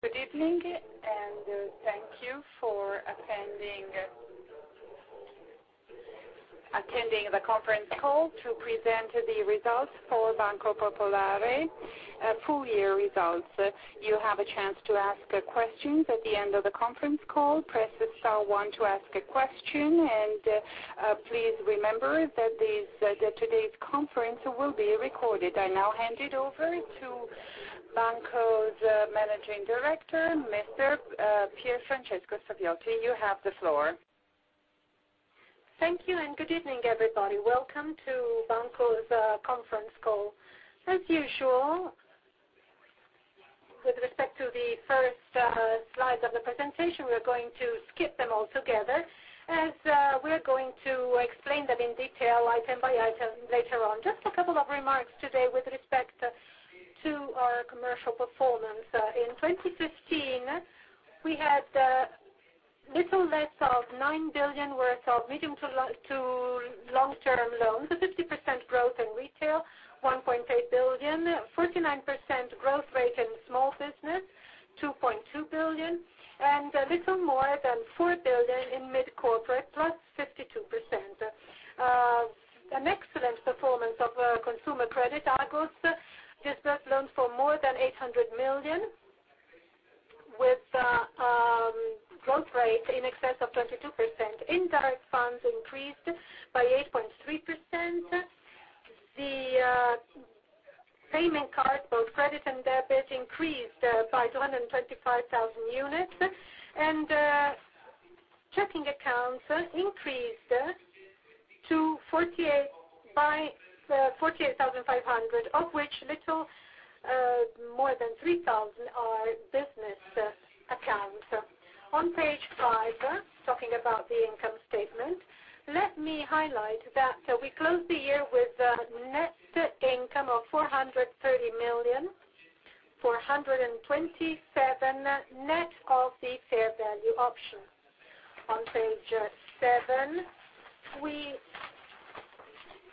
Good evening. Thank you for attending the conference call to present the results for Banco Popolare full year results. You have a chance to ask questions at the end of the conference call, press star one to ask a question. Please remember that today's conference will be recorded. I now hand it over to Banco's Managing Director, Mr. Pier Francesco Saviotti. You have the floor. Thank you. Good evening, everybody. Welcome to Banco's conference call. As usual, with respect to the first slides of the presentation, we are going to skip them altogether as we're going to explain them in detail item by item later on. Just a couple of remarks today with respect to our commercial performance. In 2015, we had little less of 9 billion worth of medium to long-term loans, a 50% growth in retail, 1.8 billion, 49% growth rate in small business, 2.2 billion. A little more than 4 billion in mid-corporate, plus 52%. An excellent performance of our consumer credit, Agos dispersed loans for more than 800 million with growth rate in excess of 22%. Indirect funds increased by 8.3%. The payment cards, both credit and debit, increased by 225,000 units. Checking accounts increased by 48,500, of which little more than 3,000 are business accounts. On page five, talking about the income statement, let me highlight that we closed the year with a net income of 430 million, 427 net of the fair value option. On page seven, we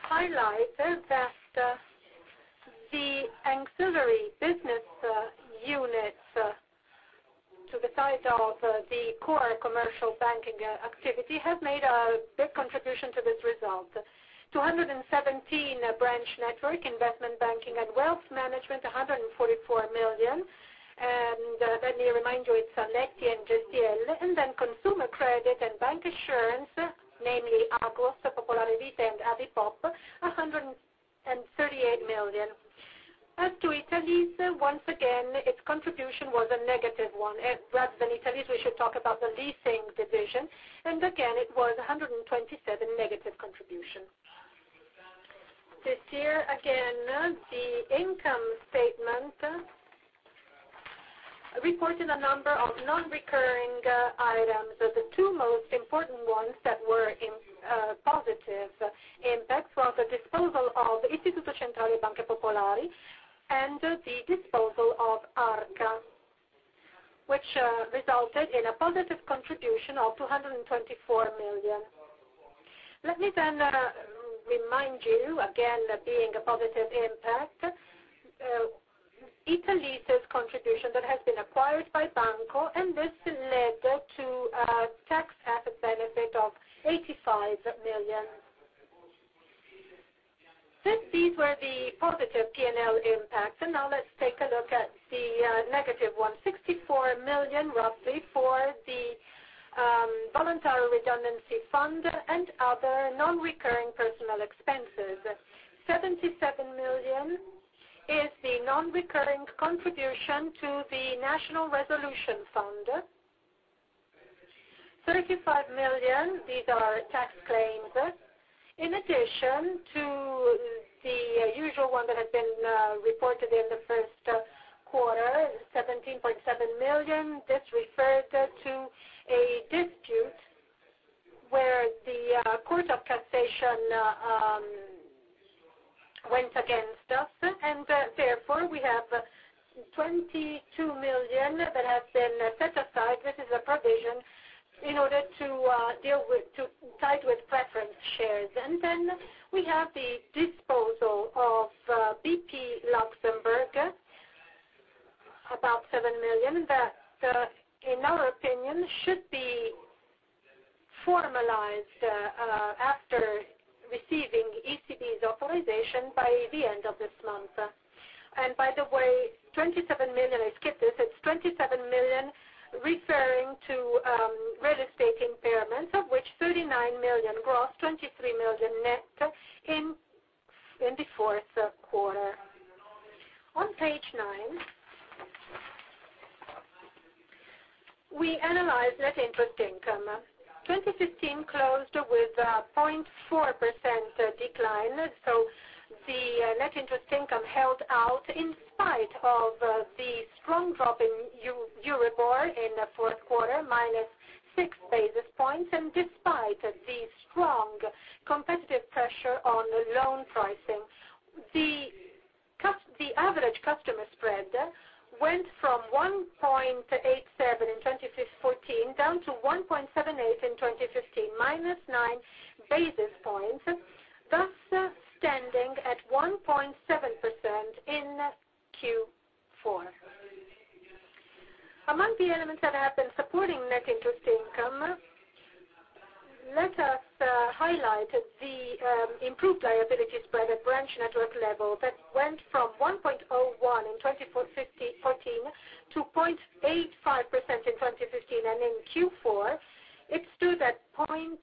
highlighted that the ancillary business units to the size of the core commercial banking activity have made a big contribution to this result. 217 branch network investment banking and wealth management, 144 million. Let me remind you, it's Select and GCL. Consumer credit and bank assurance, namely Agos, Popolare Retail, and Adipop, EUR 138 million. As to Italease, once again, its contribution was a negative one. Rather than Italease, we should talk about the leasing division. Again, it was 127 million negative contribution. This year, again, the income statement reported a number of non-recurring items. The two most important ones that were in positive impact was the disposal of Istituto Centrale Banche Popolari and the disposal of Arca, which resulted in a positive contribution of 224 million. Let me remind you, again, being a positive impact, Italease's contribution that has been acquired by Banco. This led to a tax benefit of 85 million. These were the positive P&L impacts. Now let's take a look at the negative one, 64 million, roughly, for the voluntary redundancy fund and other non-recurring personal expenses. 77 million is the non-recurring contribution to the National Resolution Fund, 35 million, these are tax claims. In addition to the usual one that has been reported in the first quarter, 17.7 million, this referred to a dispute where the Court of Cassation went against us. Therefore, we have 22 million that has been set aside. This is a provision in order to deal with tied with preference shares. Then we have the disposal of BP Luxembourg, about 7 million that, in our opinion, should be formalized after receiving ECB's authorization by the end of this month. By the way, 27 million, I skipped this, it's 27 million referring to real estate impairments, of which 39 million gross, 23 million net in the fourth quarter. On page nine, we analyzed net interest income. 2015 closed with a 0.4% decline. The net interest income held out in spite of the strong drop in Euribor in the fourth quarter, minus six basis points, and despite the strong competitive pressure on loan pricing. The average customer spread went from 1.87 in 2014 down to 1.78 in 2015, minus nine basis points, thus standing at 1.7% in Q4. Among the elements that have been supporting net interest income, let us highlight the improved liability spread at branch network level that went from 1.01 in 2014, to 0.85% in 2015. In Q4, it stood at 0.83.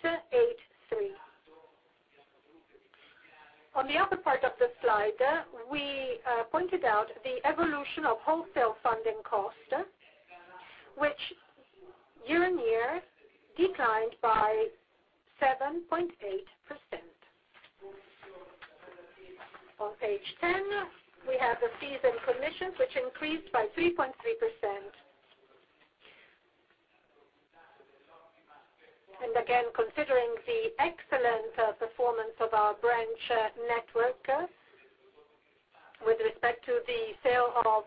On the other part of the slide, we pointed out the evolution of wholesale funding cost, which year-on-year declined by 7.8%. On page 10, we have the fees and commissions, which increased by 3.3%. Again, considering the excellent performance of our branch network with respect to the sale of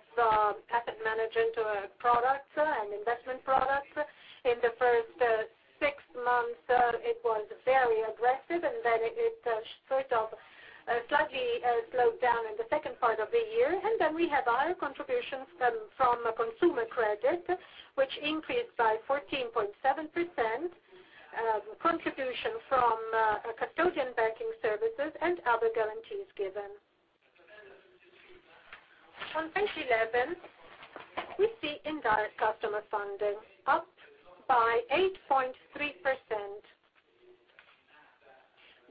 asset management products and investment products, in the first six months, it was very aggressive, and then it slightly slowed down in the second part of the year. Then we have other contributions from consumer credit, which increased by 14.7%, contribution from custodian banking services, and other guarantees given. On page 11, we see indirect customer funding up by 8.3%,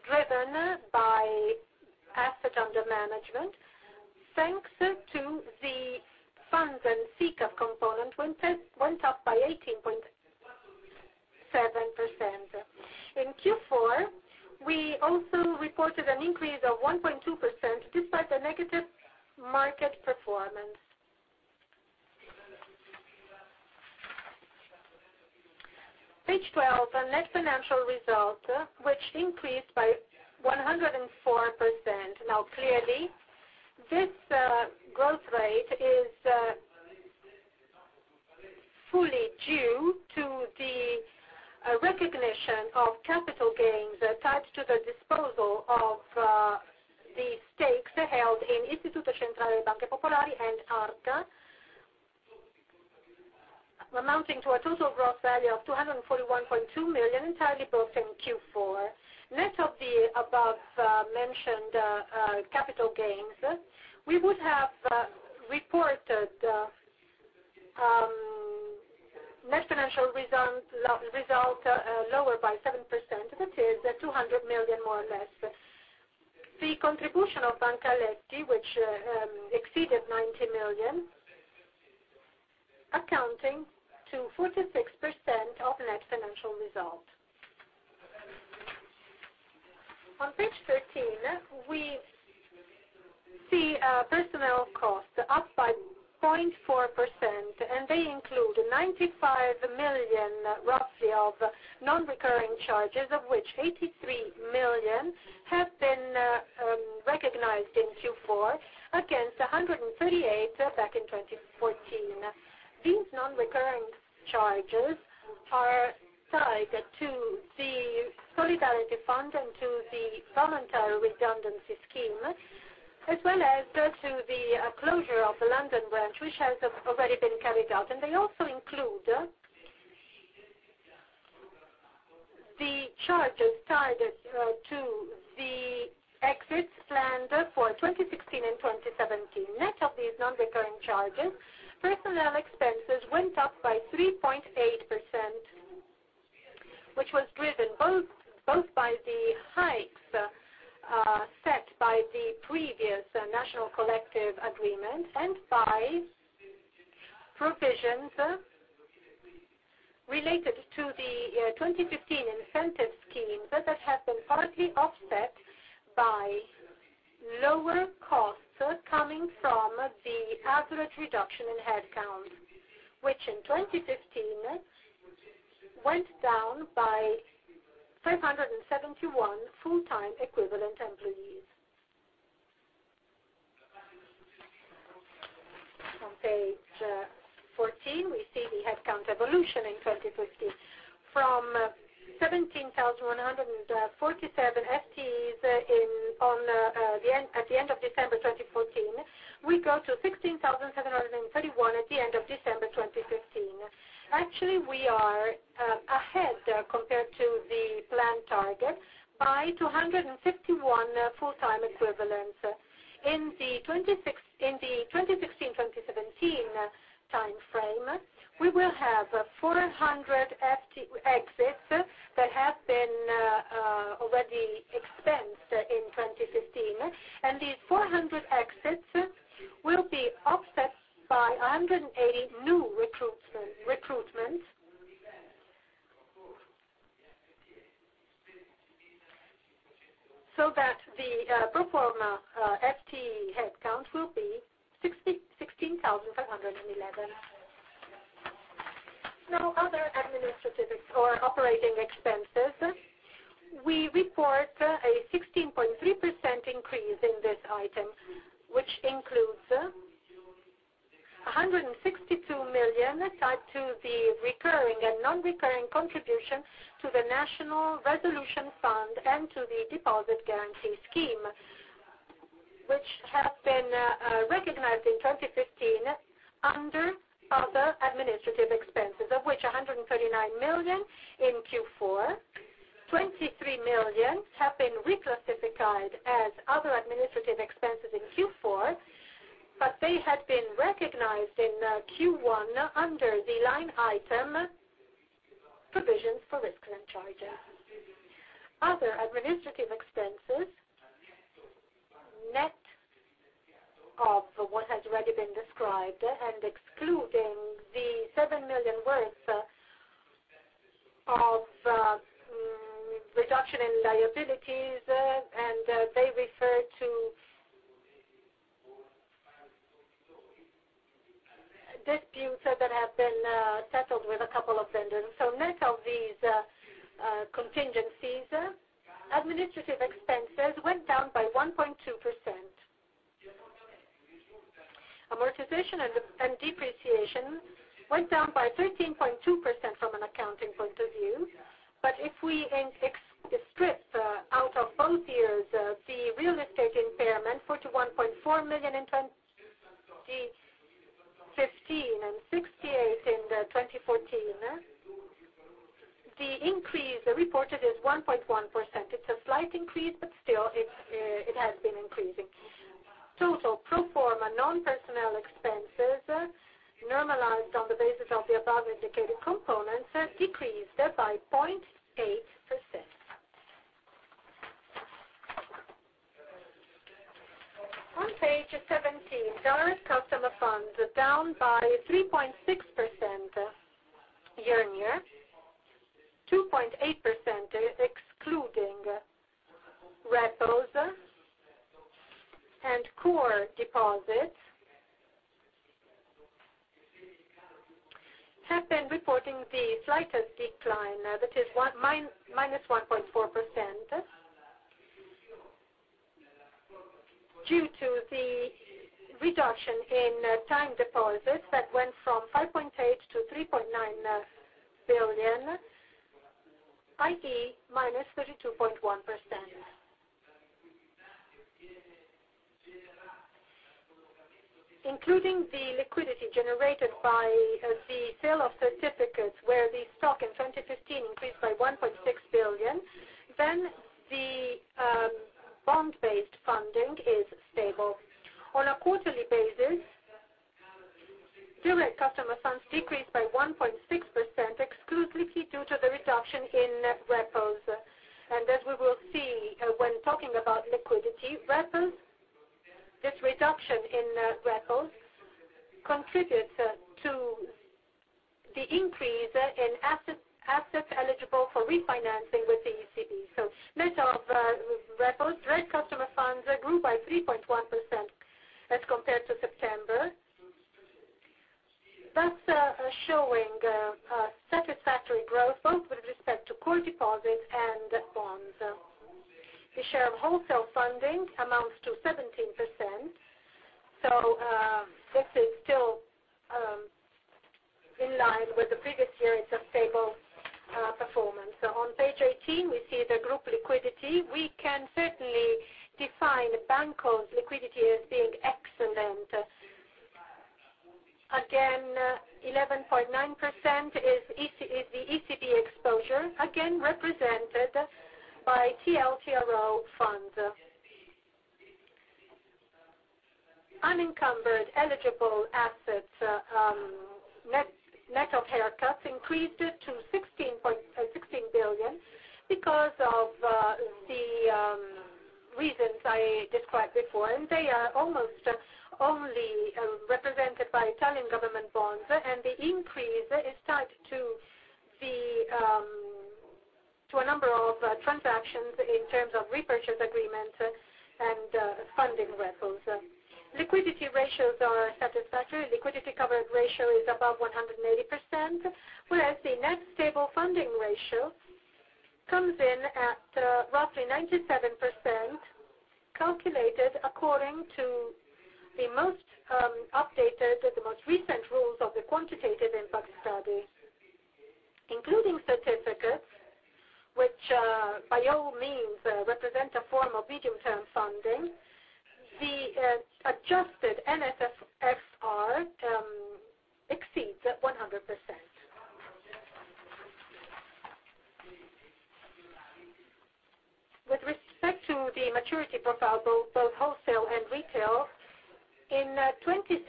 driven by asset under management, thanks to the funds and SICAV component, went up by 18.7%. In Q4, we also reported an increase of 1.2%, despite the negative market performance. Page 12, the net financial result, which increased by 104%. Clearly, this growth rate is fully due to the recognition of capital gains attached to the disposal of the stakes held in Istituto Centrale Bank Popolari and Arca , amounting to a total gross value of 241.2 million, entirely booked in Q4. Net of the above-mentioned capital gains, we would have reported net financial result lower by 7%, that is 200 million, more or less. The contribution of Banca Aletti, which exceeded EUR 90 million, accounting to 46% of net financial result. On page 13, we see personnel costs up by 0.4%. They include 95 million roughly of non-recurring charges, of which 83 million have been recognized in Q4 against 138 back in 2014. These non-recurring charges are tied to the solidarity fund and to the voluntary redundancy scheme, as well as to the closure of the London branch, which has already been carried out. They also include the charges tied to the exits planned for 2016 and 2017. Net of these non-recurring charges, personnel expenses went up by 3.8%, which was driven both by the hikes set by the previous national collective agreement and by provisions related to the 2015 incentive scheme that has been partly offset by lower costs coming from the average reduction in headcount, which in 2015 went down by 571 full-time equivalent employees. On page 14, we see the headcount evolution in 2015. From 17,147 FTEs at the end of December 2014, we go to 16,731 at the end of December 2015. Actually, we are ahead compared to the planned target by 251 full-time equivalents. In the 2016-2017 time frame, we will have 400 FTE exits that have been already expensed in 2015. These 400 exits will be offset by 180 new recruitments. The pro forma FTE headcount will be 16,511. Other administrative or operating expenses. We report a 16.3% increase in this item, which includes 162 million tied to the recurring and non-recurring contribution to the National Resolution Fund and to the Deposit Guarantee Scheme, which have been recognized in 2015 under other administrative expenses, of which 139 million in Q4. 23 million have been reclassified as other administrative expenses in Q4, but they had been recognized in Q1 under the line item provisions for risk and charges. Other administrative expenses, net of what has already been described, excluding the EUR 7 million worth of reduction in liabilities, they refer to disputes that have been settled with a couple of vendors. Net of these contingencies, administrative expenses went down by 1.2%. Amortization and depreciation went down by 13.2% from an accounting point of view. If we strip out of both years the real estate impairment, 41.4 million in 2015 and 68 million in 2014, the increase reported is 1.1%. It's a slight increase, but still, it has been increasing. Total pro forma non-personnel expenses normalized on the basis of the above-indicated components decreased by 0.8%. On page 17, direct customer funds are down by 3.6% year-on-year, 2.8% excluding repos and core deposits have been reporting the slightest decline. That is minus 1.4% due to the reduction in time deposits that went from 5.8 billion to 3.9 billion, i.e., minus 32.1%. Including the liquidity generated by the sale of certificates, where the stock in 2015 increased by 1.6 billion, the bond-based funding is stable. On a quarterly basis, direct customer funds decreased by 1.6%, exclusively due to the reduction in repos. As we will see when talking about liquidity, this reduction in repos contributes to the increase in assets eligible for refinancing with the ECB. Net of repos, direct customer funds grew by 3.1% as compared to September. That's showing a satisfactory growth, both with respect to core deposits and bonds. The share of wholesale funding amounts to 17%. This is still in line with the previous year. It's a stable performance. On page 18, we see the group liquidity. We can certainly define Banco's liquidity as being excellent. Again, 11.9% is the ECB exposure, again represented by TLTRO funds. Unencumbered eligible assets net of haircuts increased to 16 billion because of the reasons I described before, and they are almost only represented by Italian government bonds, and the increase is tied to a number of transactions in terms of repurchase agreements and funding repos. Liquidity ratios are satisfactory. Liquidity coverage ratio is above 180%, whereas the net stable funding ratio comes in at roughly 97%, calculated according to the most updated, the most recent rules of the quantitative impact study. Including certificates, which by all means represent a form of medium-term funding, the adjusted NSFR exceeds 100%. With respect to the maturity profile, both wholesale and retail, in 2016,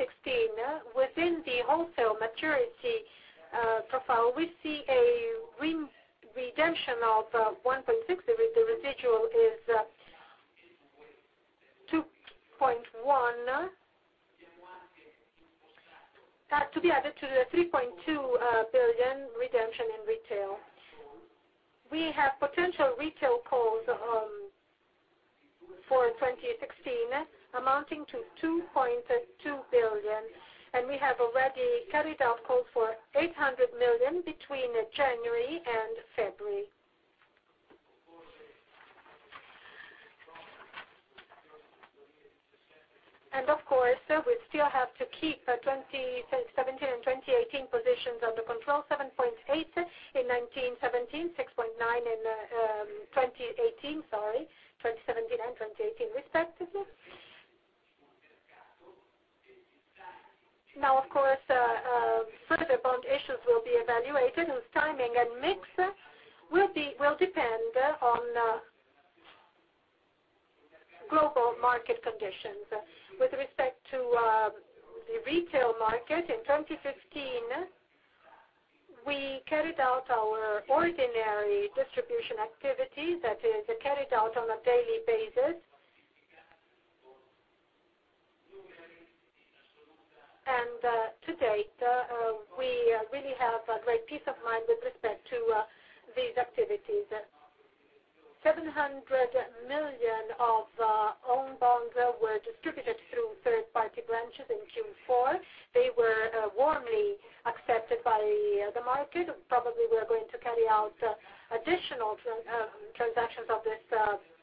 within the wholesale maturity profile, we see a redemption of 1.6 billion, the residual is 2.1 billion. To be added to the 3.2 billion redemption in retail. We have potential retail calls for 2016 amounting to 2.2 billion, and we have already carried out call for 800 million between January and February. Of course, we still have to keep the 2017 and 2018 positions under control, 7.8 billion in 2017, 6.9 billion in 2018, sorry, 2017 and 2018 respectively. Now, of course, further bond issues will be evaluated, whose timing and mix will depend on global market conditions. With respect to the retail market, in 2015, we carried out our ordinary distribution activities that is carried out on a daily basis. To date, we really have great peace of mind with respect to these activities. 700 million of own bonds were distributed through third-party branches in Q4. They were warmly accepted by the market. Probably we are going to carry out additional transactions of this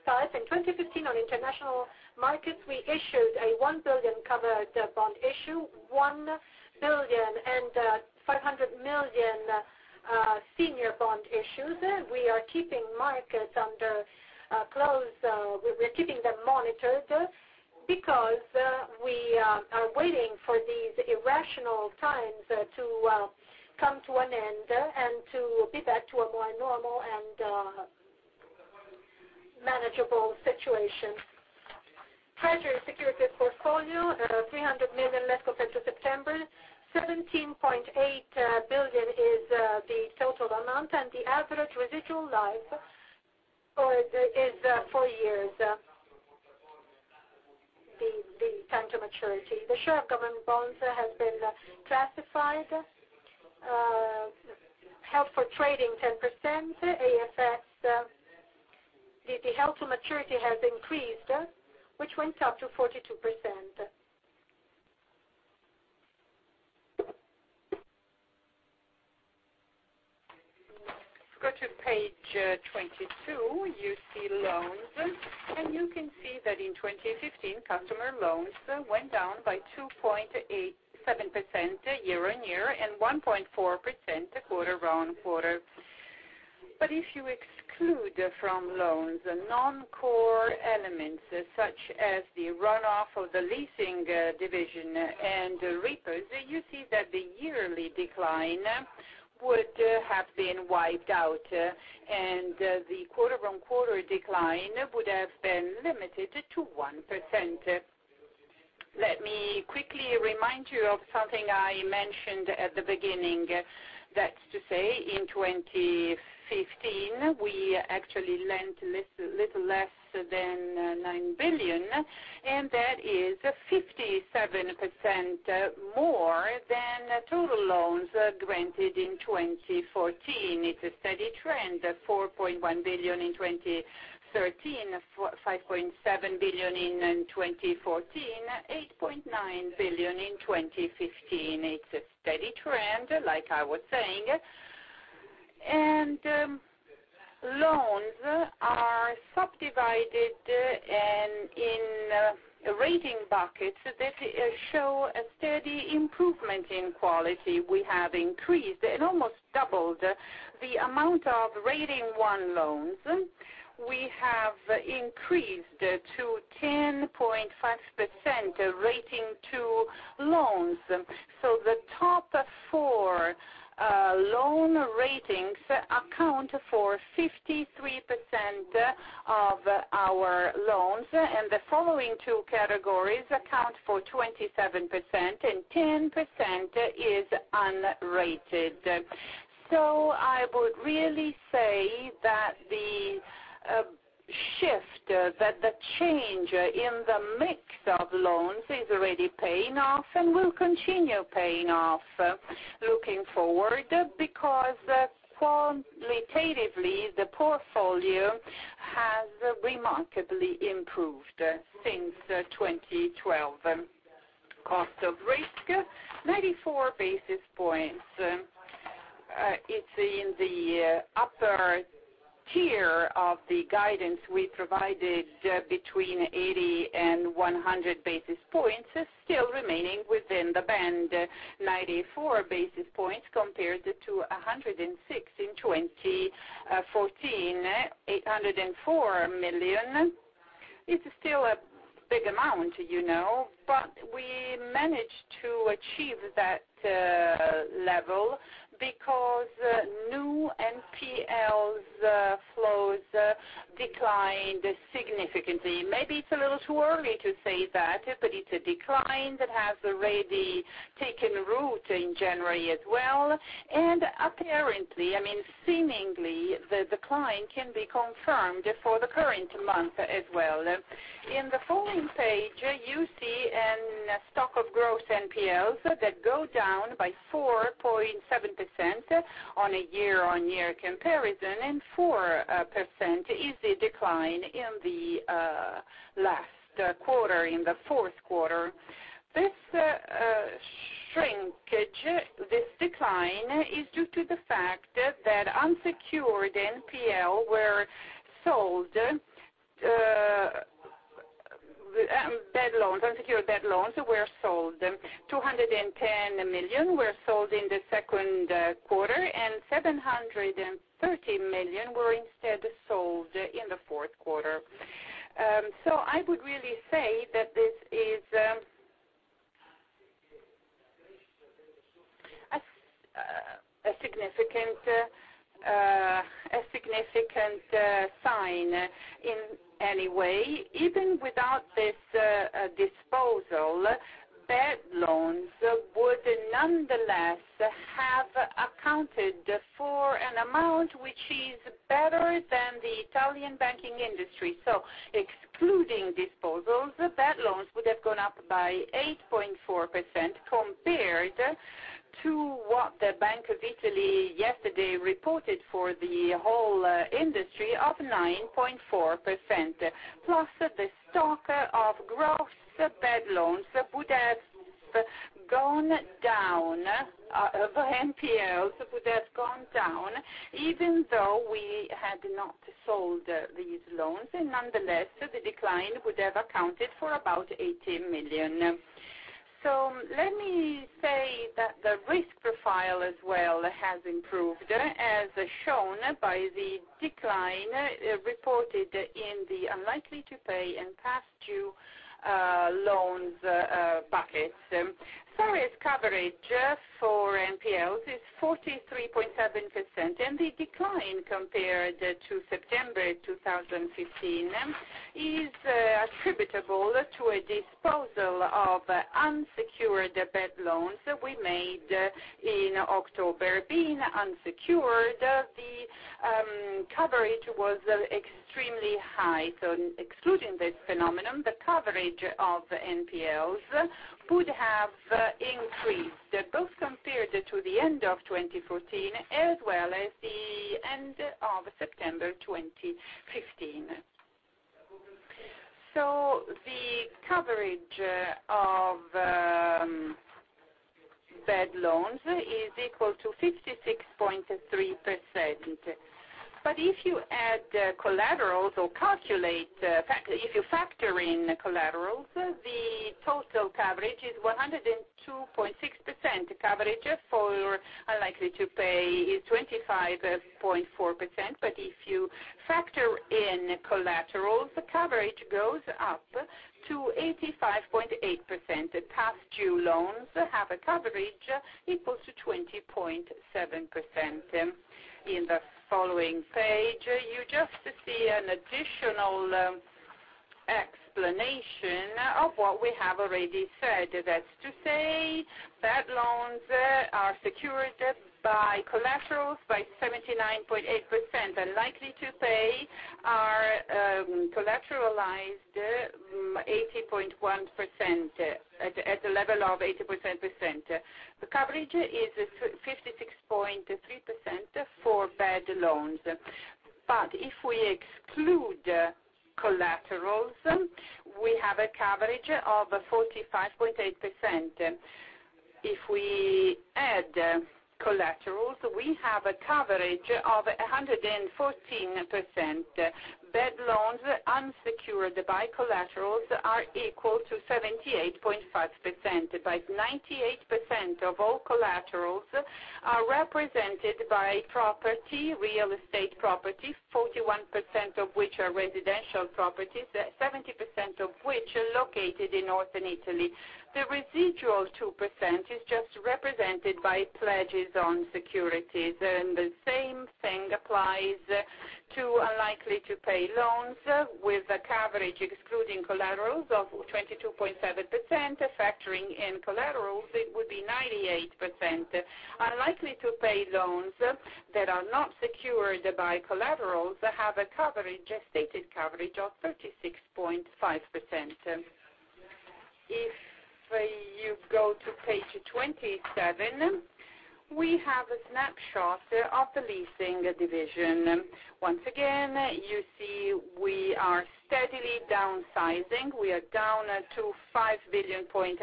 type. In 2015, on international markets, we issued a 1 billion covered bond issue, 1.5 billion senior bond issues. We are keeping markets under close-- We're keeping them monitored because we are waiting for these irrational times to come to an end and to be back to a more normal and manageable situation. Treasury securities portfolio, 300 million less compared to September, 17.8 billion is the total amount, and the average residual life is four years, the time to maturity. The share of government bonds has been classified. Held for trading, 10%, AFS, the held to maturity has increased, which went up to 42%. Go to page 22, you see loans, and you can see that in 2015, customer loans went down by 2.7% year-over-year and 1.4% quarter-over-quarter. But if you exclude from loans non-core elements such as the run-off of the leasing division and the repo, you see that the yearly decline would have been wiped out, and the quarter-over-quarter decline would have been limited to 1%. Let me quickly remind you of something I mentioned at the beginning. That's to say, in 2015, we actually lent less than 9 billion, and that is 57% more than total loans granted in 2014. It's a steady trend, 4.1 billion in 2013, 5.7 billion in 2014, 8.9 billion in 2015. It's a steady trend, like I was saying. Loans are subdivided in rating 1 buckets that show a steady improvement in quality. We have increased and almost doubled the amount of rating 1 loans. We have increased to 10.5% rating 2 loans. The top four loan ratings account for 53% of our loans, and the following two categories account for 27%, and 10% is unrated. I would really say that the shift, that the change in the mix of loans is already paying off and will continue paying off looking forward, because qualitatively, the portfolio has remarkably improved since 2012. Cost of risk, 94 basis points. It's in the upper tier of the guidance we provided between 80 and 100 basis points, still remaining within the band. 94 basis points compared to 106 in 2014. 804 million is still a big amount, but we managed to achieve that level because new NPLs flows declined significantly. Maybe it's a little too early to say that, but it's a decline that has already taken root in January as well, apparently, seemingly, the decline can be confirmed for the current month as well. In the following page, you see a stock of gross NPLs that go down by 4.7% on a year-on-year comparison, and 4% is the decline in the last quarter, in the fourth quarter. This shrinkage, this decline, is due to the fact that unsecured NPL, bad loans, unsecured bad loans, were sold. 210 million were sold in the second quarter, and 730 million were instead sold in the fourth quarter. I would really say that this is a significant sign in any way. Even without this disposal, bad loans would nonetheless have accounted for an amount which is better than the Italian banking industry. Excluding disposals, bad loans would have gone up by 8.4% compared to what the Bank of Italy yesterday reported for the whole industry of 9.4%. Plus the stock of gross bad loans would have gone down, NPLs would have gone down, even though we had not sold these loans. Nonetheless, the decline would have accounted for about 80 million. Let me say that the risk profile as well has improved, as shown by the decline reported in the unlikely-to-pay and past-due loans buckets. Recovery just for NPLs is 43.7%, and the decline compared to September 2015 is attributable to a disposal of unsecured bad loans we made in October. Being unsecured, the coverage was extremely high. Excluding this phenomenon, the coverage of NPLs would have increased both compared to the end of 2014 as well as the end of September 2015. The coverage of bad loans is equal to 56.3%. If you add collaterals or if you factor in collaterals, the total coverage is 102.6%. Coverage for unlikely-to-pay is 25.4%, but if you factor in collaterals, the coverage goes up to 85.8%. Past-due loans have a coverage equal to 20.7%. In the following page, you just see an additional explanation of what we have already said. That's to say, bad loans are secured by collaterals by 79.8%. Unlikely-to-pay are collateralized 80.1%, at the level of 80%. The coverage is 56.3% for bad loans. If we exclude collaterals, we have a coverage of 45.8%. If we add collaterals, we have a coverage of 114%. Bad loans unsecured by collaterals are equal to 78.5%, but 98% of all collaterals are represented by real estate property, 41% of which are residential properties, 70% of which are located in northern Italy. The residual 2% is just represented by pledges on securities. The same thing applies to unlikely-to-pay loans with a coverage excluding collaterals of 22.7%. Factoring in collaterals, it would be 98%. Unlikely-to-pay loans that are not secured by collaterals have a stated coverage of 36.5%. If you go to page 27, we have a snapshot of the leasing division. Once again, you see we are steadily downsizing. We are down to 5.8 billion, 3.1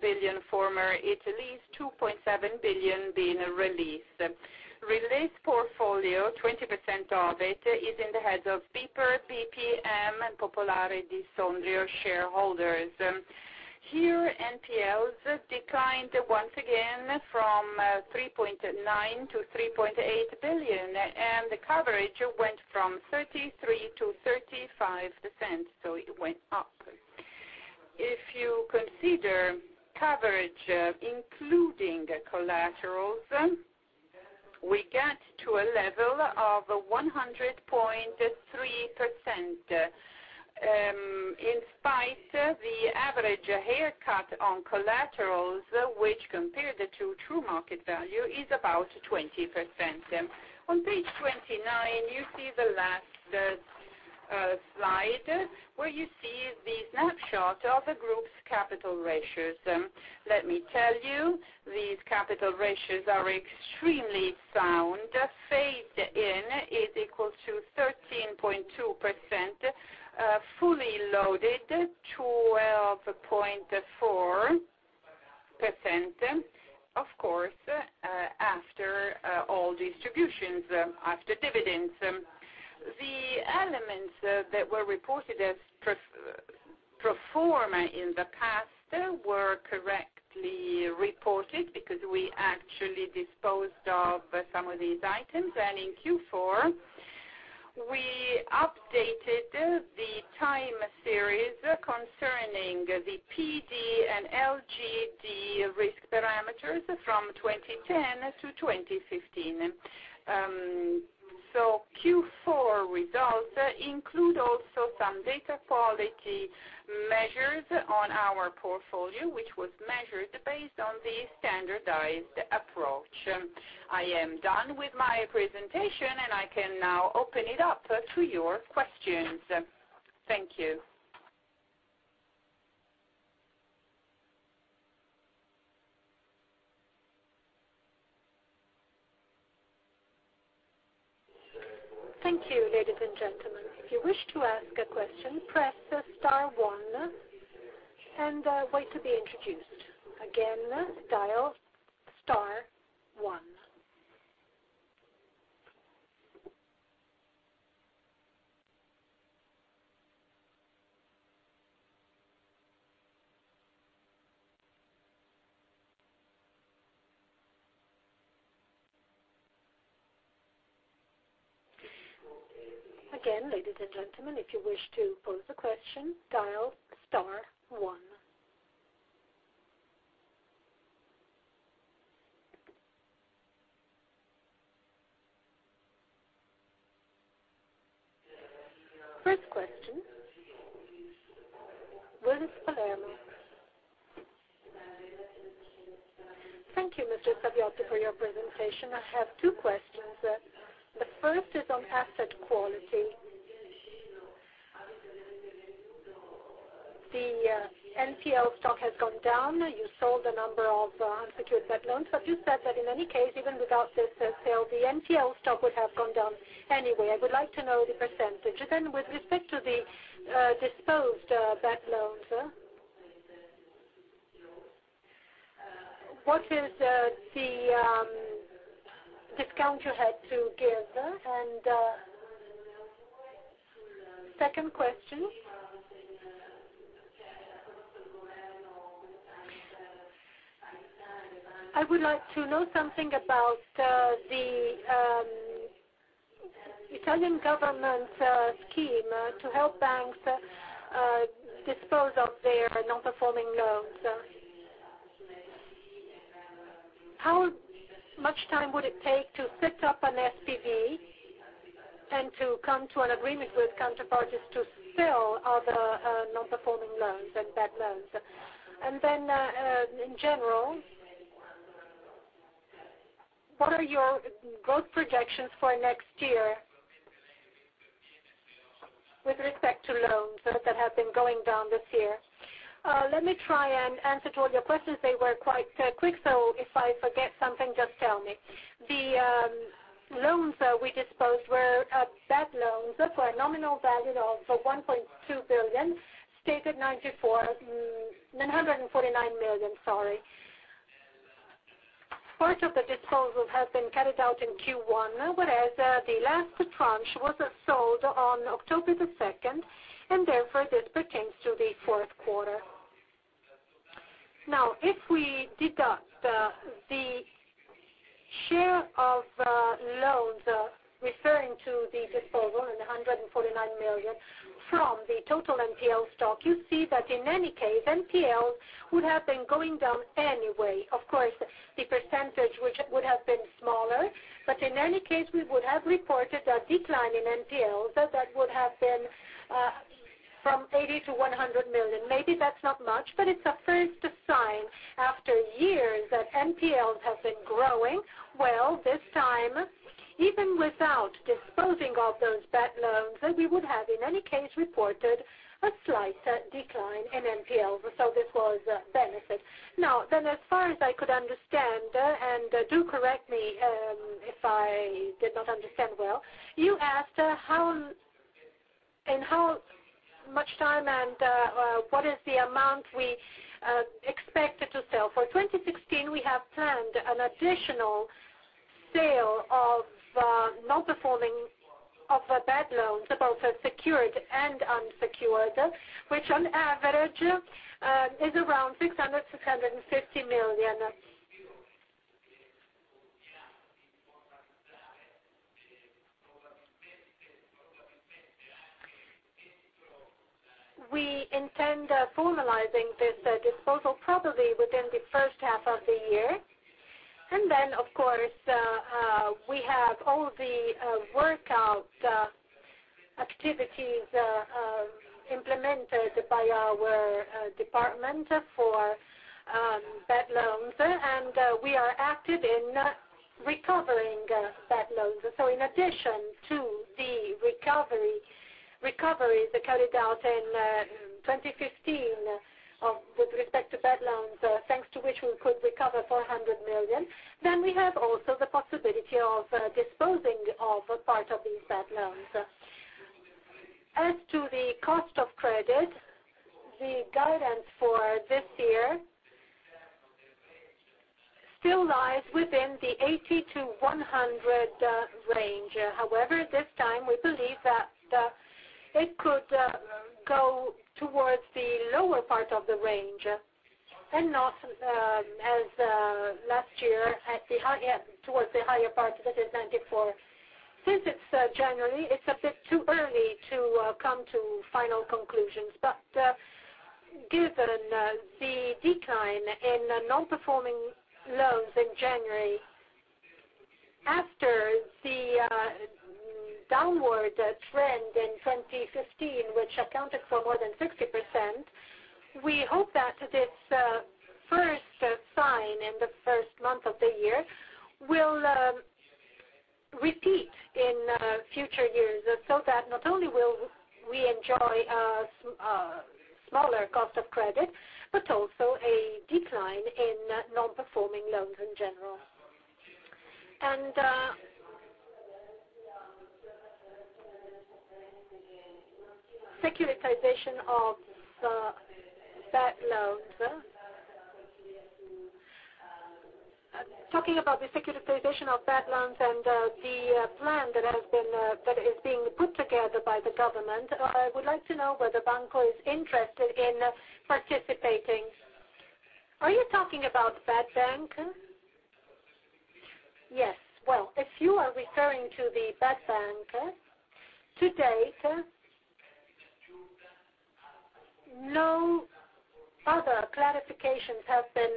billion former Italease, 2.7 billion being released. Released portfolio, 20% of it is in the hands of BPER, BPM, and Popolare di Sondrio shareholders. Here, NPLs declined once again from 3.9 billion to 3.8 billion, and the coverage went from 33% to 35%, so it went up. If you consider coverage including collaterals, we get to a level of 100.3%. In spite, the average haircut on collaterals, which compared to true market value, is about 20%. On page 29, you see the last slide, where you see the snapshot of the group's capital ratios. Let me tell you, these capital ratios are extremely sound. Phased in is equal to 13.2%, fully loaded, 12.4%, of course, after all distributions, after dividends. The elements that were reported as pro forma in the past were correctly reported because we actually disposed of some of these items, and in Q4, we updated the time series concerning the PD and LGD risk parameters from 2010 to 2015. Q4 results include also some data quality measures on our portfolio, which was measured based on the standardized approach. I am done with my presentation, and I can now open it up to your questions. Thank you. Thank you. Ladies and gentlemen, if you wish to ask a question, press star one and wait to be introduced. Again, dial star one. Again, ladies and gentlemen, if you wish to pose a question, dial star one. First question, Willis Palermo. Thank you, Mr. Saviotti, for your presentation. I have two questions. The first is on asset quality. The NPL stock has gone down. You sold a number of unsecured bad loans, but you said that in any case, even without this sale, the NPL stock would have gone down anyway. I would like to know the percentage. Then with respect to the disposed bad loans, what is the discount you had to give? Second question, I would like to know something about the Italian government scheme to help banks dispose of their non-performing loans. How much time would it take to set up an SPV and to come to an agreement with counterparties to sell other non-performing loans and bad loans? Then, in general, what are your growth projections for next year with respect to loans that have been going down this year? Let me try and answer all your questions. They were quite quick, so if I forget something, just tell me. The loans that we disposed were bad loans for a nominal value of 1.2 billion, stated 949 million. Part of the disposal has been carried out in Q1, whereas the last tranche was sold on October the 2nd, and therefore this pertains to the fourth quarter. If we deduct the share of loans referring to the disposal and 149 million from the total NPL stock, you see that in any case, NPL would have been going down anyway. The percentage, which would have been smaller, but in any case, we would have reported a decline in NPLs that would have been from 80 million-100 million. Maybe that's not much, but it's a first sign after years that NPLs have been growing. This time, even without disposing of those bad loans, we would have in any case reported a slight decline in NPL. This was a benefit. As far as I could understand, and do correct me if I did not understand well, you asked in how much time and what is the amount we expected to sell. For 2016, we have planned an additional sale of non-performing of the bad loans, both secured and unsecured, which on average is around 600 million-650 million. We intend formalizing this disposal probably within the first half of the year, of course, we have all the workout activities implemented by our department for bad loans, and we are active in recovering bad loans. In addition to the recoveries carried out in 2015 with respect to bad loans, thanks to which we could recover 400 million, we have also the possibility of disposing of part of these bad loans. As to the cost of credit, the guidance for this year still lies within the 80-100 range. This time, we believe that it could go towards the lower part of the range and not as last year, towards the higher part that is 94. Since it's January, it's a bit too early to come to final conclusions. Given the decline in non-performing loans in January after the downward trend in 2015, which accounted for more than 60%, we hope that this first sign in the first month of the year will repeat in future years, not only will we enjoy a smaller cost of credit, but also a decline in non-performing loans in general. Securitization of bad loans. Talking about the securitization of bad loans and the plan that is being put together by the government, I would like to know whether Banco is interested in participating. Are you talking about bad bank? Yes. Well, if you are referring to the bad bank, to date, no other clarifications have been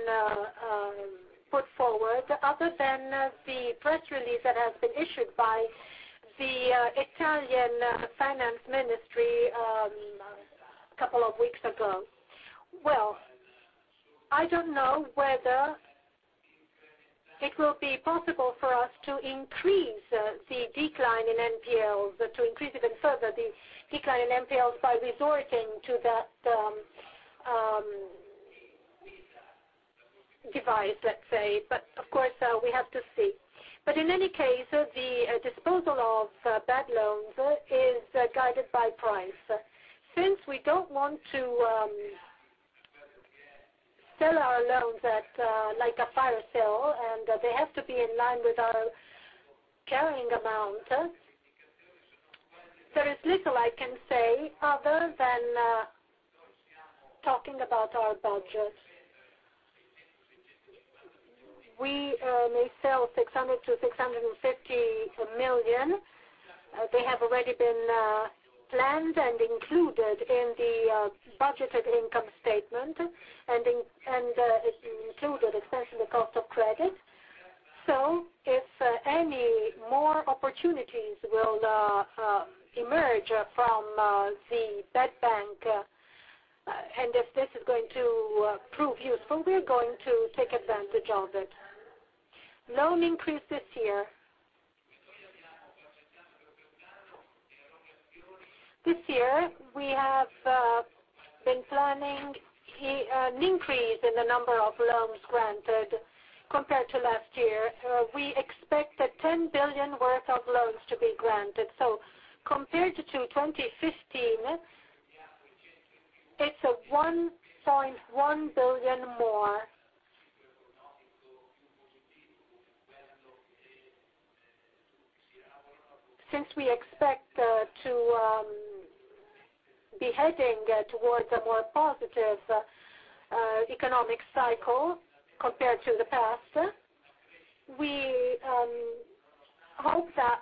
put forward other than the press release that has been issued by the Ministry of Economy and Finance a couple of weeks ago. Well, I don't know whether it will be possible for us to increase even further the decline in NPLs by resorting to that device, let's say. In any case, the disposal of bad loans is guided by price. We don't want to sell our loans at like a fire sale, and they have to be in line with our carrying amount, there is little I can say other than talking about our budget. We may sell 600 million-650 million. They have already been planned and included in the budgeted income statement and included especially the cost of credit. If any more opportunities will emerge from the bad bank, and if this is going to prove useful, we're going to take advantage of it. Loan increase this year. This year, we have been planning an increase in the number of loans granted compared to last year. We expect that 10 billion worth of loans to be granted. Compared to 2015, it's EUR 1.1 billion more. We expect to be heading towards a more positive economic cycle compared to the past, we hope that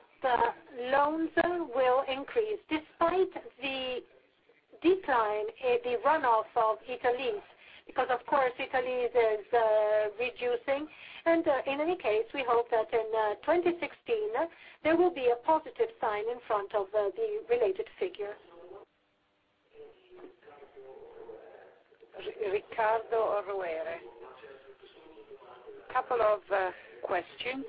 loans will increase despite the decline in the runoff of Italease, because of course, Italease is reducing. In any case, we hope that in 2016, there will be a positive sign in front of the related figure. Riccardo Rovere. A couple of questions.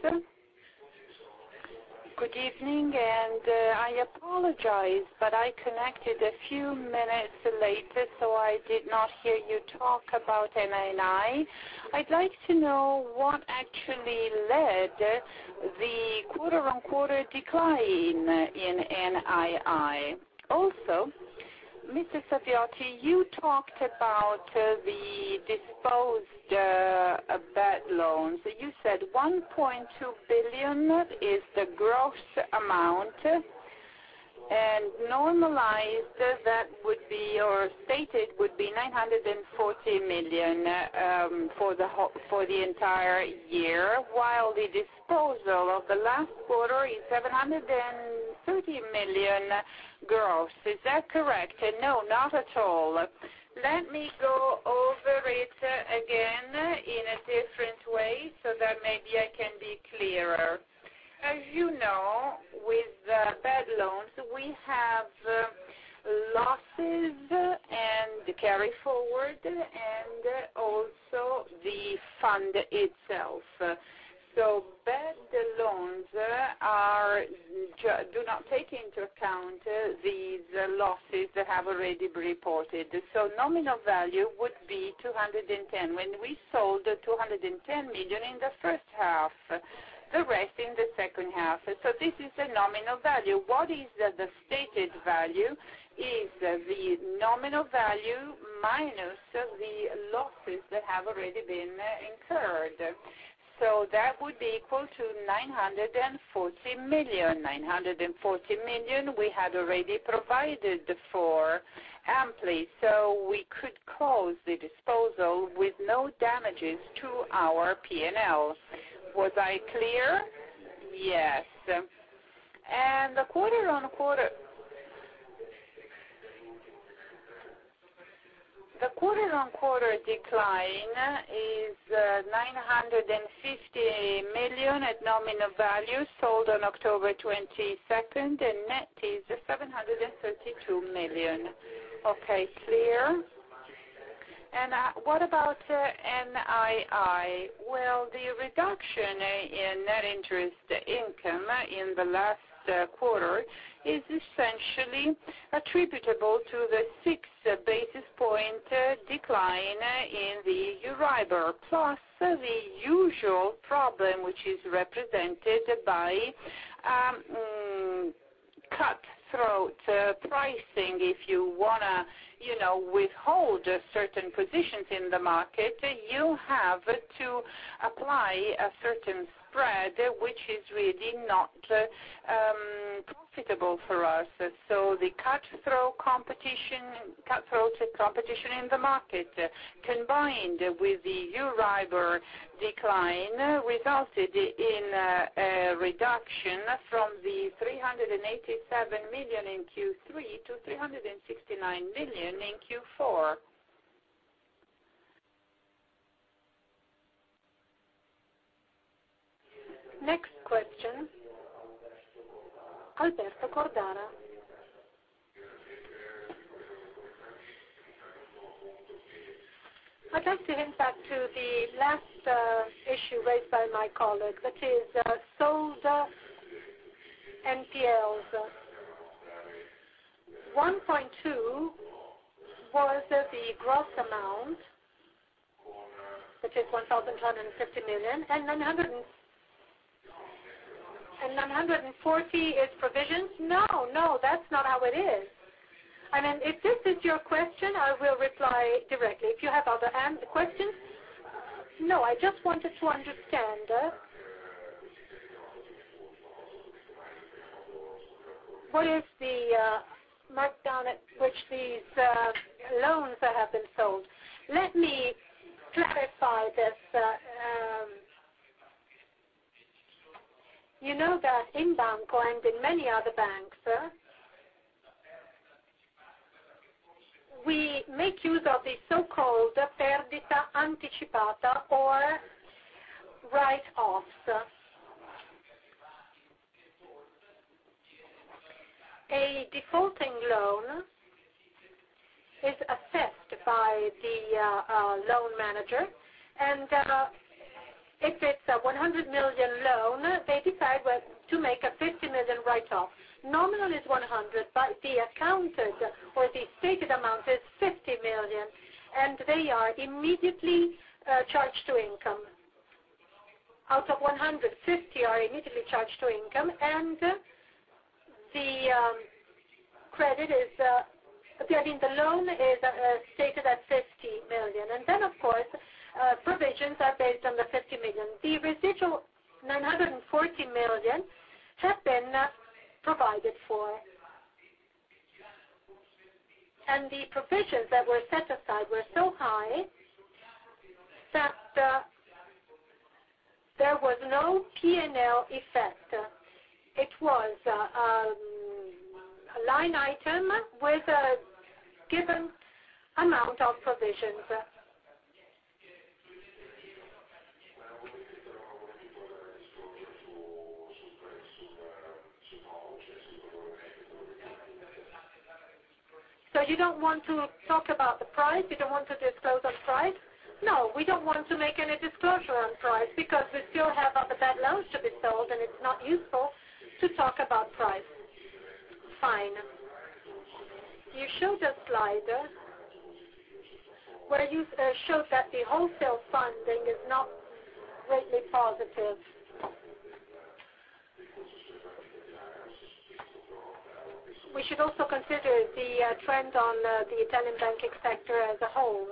Good evening. I apologize, I connected a few minutes later, so I did not hear you talk about NII. I'd like to know what actually led the quarter-on-quarter decline in NII. Mr. Saviotti, you talked about the disposed bad loans. You said 1.2 billion is the gross amount, and normalized, that would be, or stated would be 940 million for the entire year, while the disposal of the last quarter is 730 million gross. Is that correct? No, not at all. Let me go over it again in a different way so that maybe I can be clearer. As you know, with bad loans, we have Losses and carry forward, also the fund itself. Bad loans do not take into account these losses that have already been reported. Nominal value would be 210. When we sold the 210 million in the first half, the rest in the second half. This is the nominal value. What is the stated value? Is the nominal value minus the losses that have already been incurred. That would be equal to 940 million. 940 million we had already provided for amply, so we could close the disposal with no damages to our P&L. Was I clear? Yes. The quarter-on-quarter decline is 950 million at nominal value sold on October 22nd, and net is 732 million. Okay, clear. What about NII? Well, the reduction in net interest income in the last quarter is essentially attributable to the six basis point decline in the Euribor, plus the usual problem which is represented by cut-throat pricing. If you want to withhold certain positions in the market, you have to apply a certain spread, which is really not profitable for us. The cut-throat competition in the market, combined with the Euribor decline, resulted in a reduction from the 387 million in Q3 to 369 million in Q4. Next question, Alberto Cordara. I'd like to link back to the last issue raised by my colleague that is sold NPLs. 1.2 was the gross amount, which is 1,250 million and 940 is provisions? No, that's not how it is. If this is your question, I will reply directly. If you have other questions. No, I just wanted to understand. What is the markdown at which these loans have been sold? Let me clarify this. You know that in Banco and in many other banks, we make use of the so-called perdita anticipata, or write-offs. A defaulting loan is assessed by the loan manager, and if it's a 100 million loan, they decide to make a 50 million write-off. Nominal is 100, but the accounted or the stated amount is 50 million, and they are immediately charged to income. Out of 150 are immediately charged to income, and the loan is stated at 50 million. Then, of course, provisions are based on the 50 million. The residual 940 million have been provided for. The provisions that were set aside were so high that there was no P&L effect. It was a line item with a given amount of provisions. You don't want to talk about the price? You don't want to disclose on price? No, we don't want to make any disclosure on price because we still have other bad loans to be sold. It's not useful to talk about price. Fine. You showed a slide where you showed that the wholesale funding is not greatly positive. We should also consider the trend on the Italian banking sector as a whole.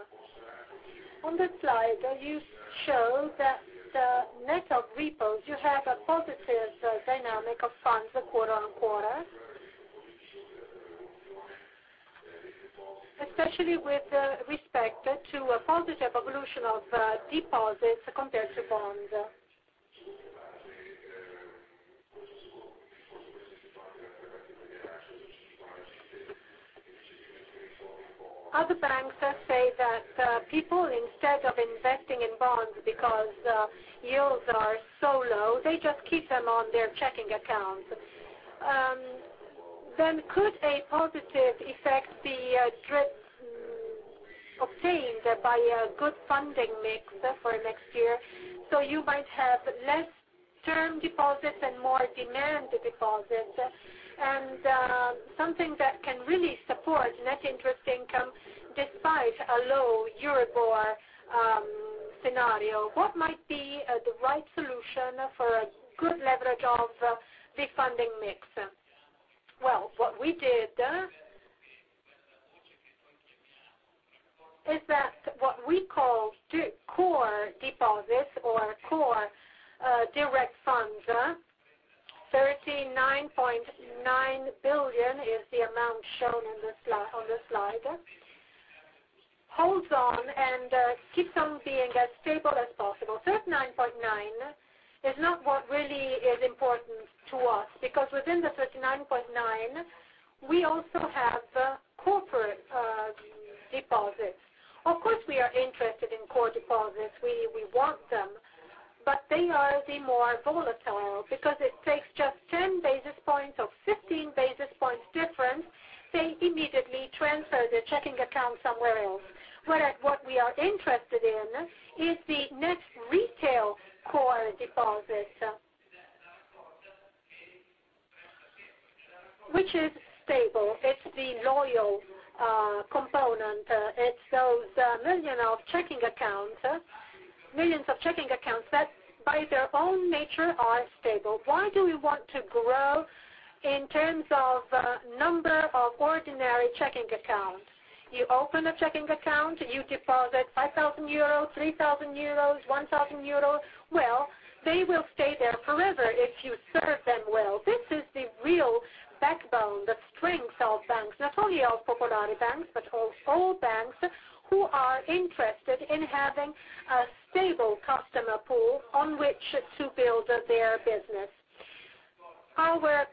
On the slide, you show that the net of repos, you have a positive dynamic of funds quarter-on-quarter, especially with respect to a positive evolution of deposits compared to bonds. Other banks say that people, instead of investing in bonds because yields are so low, they just keep them on their checking accounts. Could a positive effect be obtained by a good funding mix for next year? You might have less term deposits and more demand deposits, and something that can really support net interest income despite a low Euribor scenario. What might be the right solution for a good leverage of the funding mix? Well, what we did is that what we call core deposits or core direct funds, 39.9 billion is the amount shown on the slide. Holds on and keeps on being as stable as possible. 39.9 is not what really is important to us, because within the 39.9, we also have corporate deposits. Of course, we are interested in core deposits. We want them, but they are the more volatile because it takes just 10 basis points or 15 basis points difference, they immediately transfer the checking account somewhere else. Whereas what we are interested in is the net retail core deposits, which is stable. It's the loyal component. It's those millions of checking accounts that by their own nature are stable. Why do we want to grow in terms of number of ordinary checking accounts? You open a checking account, you deposit 5,000 euros, 3,000 euros, 1,000 euros. Well, they will stay there forever if you serve them well. This is the real backbone, the strength of banks. Not only of Popolari banks, but all banks who are interested in having a stable customer pool on which to build their business. Our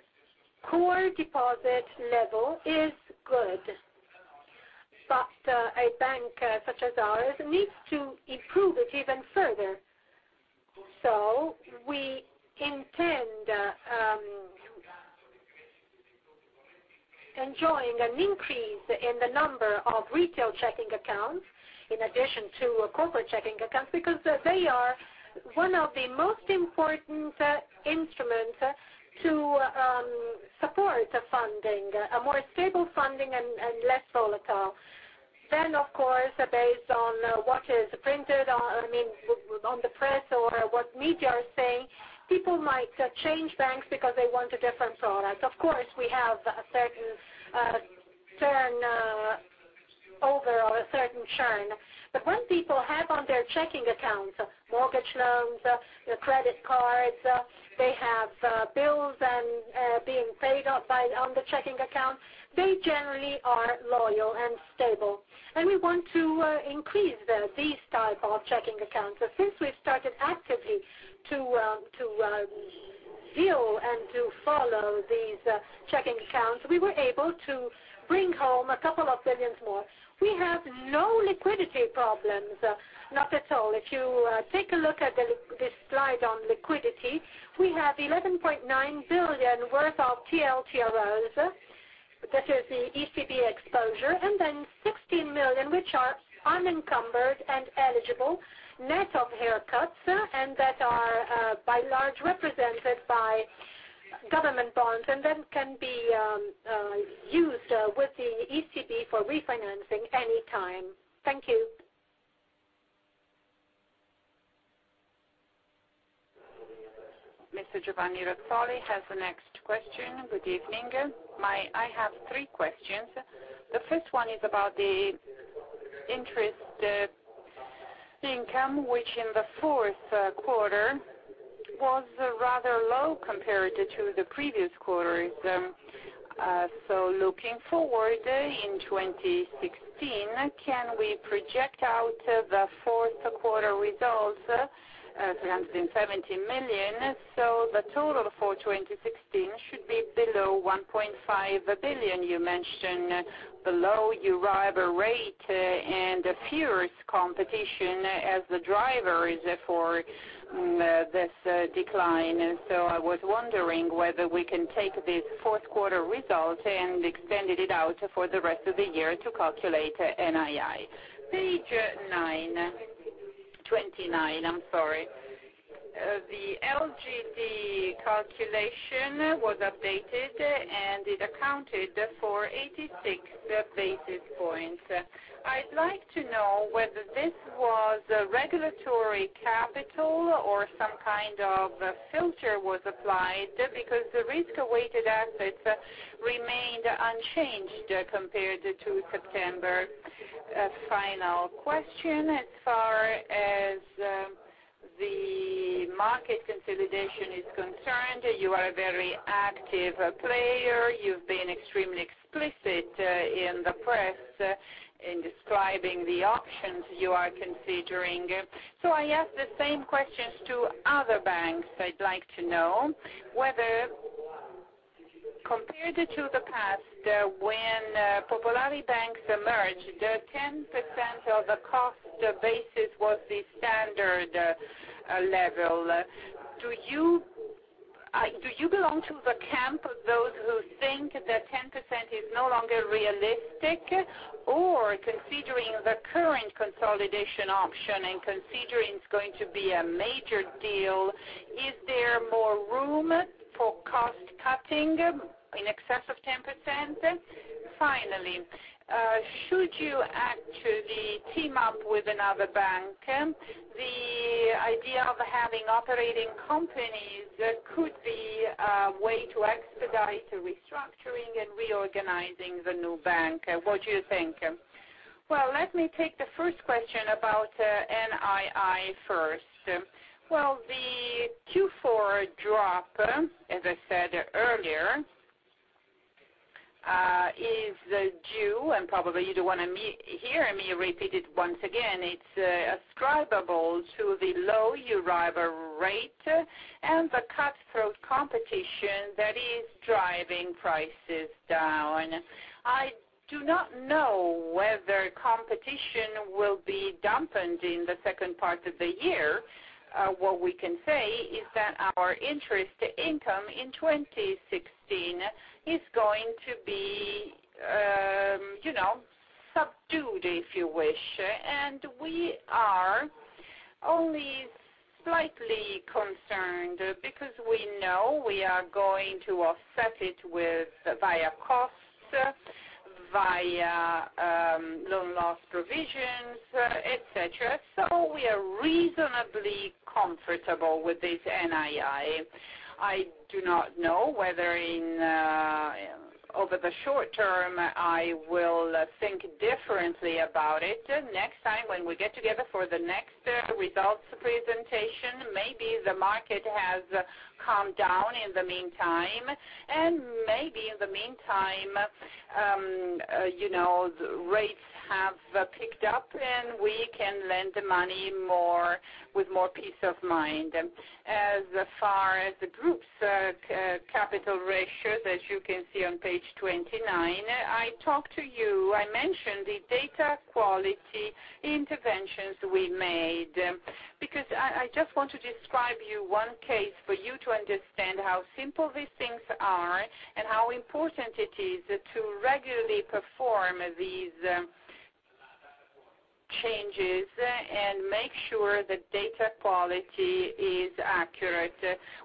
core deposit level is good, but a bank such as ours needs to improve it even further. We intend enjoying an increase in the number of retail checking accounts in addition to corporate checking accounts, because they are one of the most important instruments to support a more stable funding and less volatile. Of course based on what is printed on the press or what media are saying, people might change banks because they want a different product. Of course, we have a certain turnover or a certain churn. When people have on their checking accounts, mortgage loans, their credit cards, they have bills and being paid on the checking account, they generally are loyal and stable. We want to increase these type of checking accounts. Since we started actively to view and to follow these checking accounts, we were able to bring home a couple of billions more. We have no liquidity problems. Not at all. If you take a look at this slide on liquidity, we have 11.9 billion worth of TLTROs. That is the ECB exposure, then 16 million which are unencumbered and eligible, net of haircuts, and that are by large represented by government bonds and then can be used with the ECB for refinancing any time. Thank you. Mr. Giovanni Razzoli has the next question. Good evening. I have three questions. The first one is about the interest income, which in the fourth quarter was rather low compared to the previous quarters. Looking forward in 2016, can we project out the fourth quarter results, 370 million, the total for 2016 should be below 1.5 billion. You mentioned the low Euribor rate and a fierce competition as the drivers for this decline. I was wondering whether we can take this fourth quarter result and extend it out for the rest of the year to calculate NII. Page 29, the LGD calculation was updated, and it accounted for 86 basis points. I'd like to know whether this was a regulatory capital or some kind of filter was applied because the risk-weighted assets remained unchanged compared to September. Final question, as far as the market consolidation is concerned, you are a very active player. You've been extremely explicit in describing the options you are considering. I ask the same questions to other banks. I'd like to know whether, compared to the past when Popolari banks emerged, the 10% of the cost basis was the standard level. Do you belong to the camp of those who think that 10% is no longer realistic? Considering the current consolidation option and considering it's going to be a major deal, is there more room for cost cutting in excess of 10%? Finally, should you actually team up with another bank? The idea of having operating companies could be a way to expedite the restructuring and reorganizing the new bank. What do you think? Let me take the first question about NII first. The Q4 drop, as I said earlier is due, and probably you don't want to hear me repeat it once again, it's ascribable to the low Euribor rate and the cutthroat competition that is driving prices down. What we can say is that our interest income in 2016 is going to be subdued, if you wish. We are only slightly concerned because we know we are going to offset it via costs, via loan loss provisions, et cetera. We are reasonably comfortable with this NII. I do not know whether over the short term, I will think differently about it. Next time when we get together for the next results presentation, maybe the market has calmed down in the meantime, and maybe in the meantime, the rates have picked up and we can lend the money with more peace of mind. As far as the group's capital ratio, as you can see on page 29, I talked to you, I mentioned the data quality interventions we made because I just want to describe you one case for you to understand how simple these things are and how important it is to regularly perform these changes and make sure the data quality is accurate.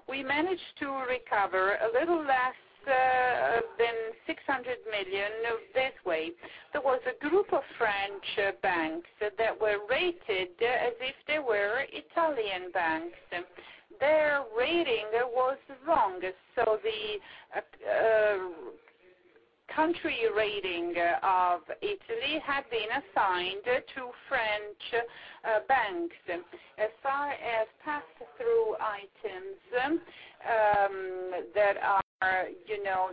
We managed to recover a little less than 600 million this way. There was a group of French banks that were rated as if they were Italian banks. Their rating was wrong. The country rating of Italy had been assigned to French banks. As far as pass-through items,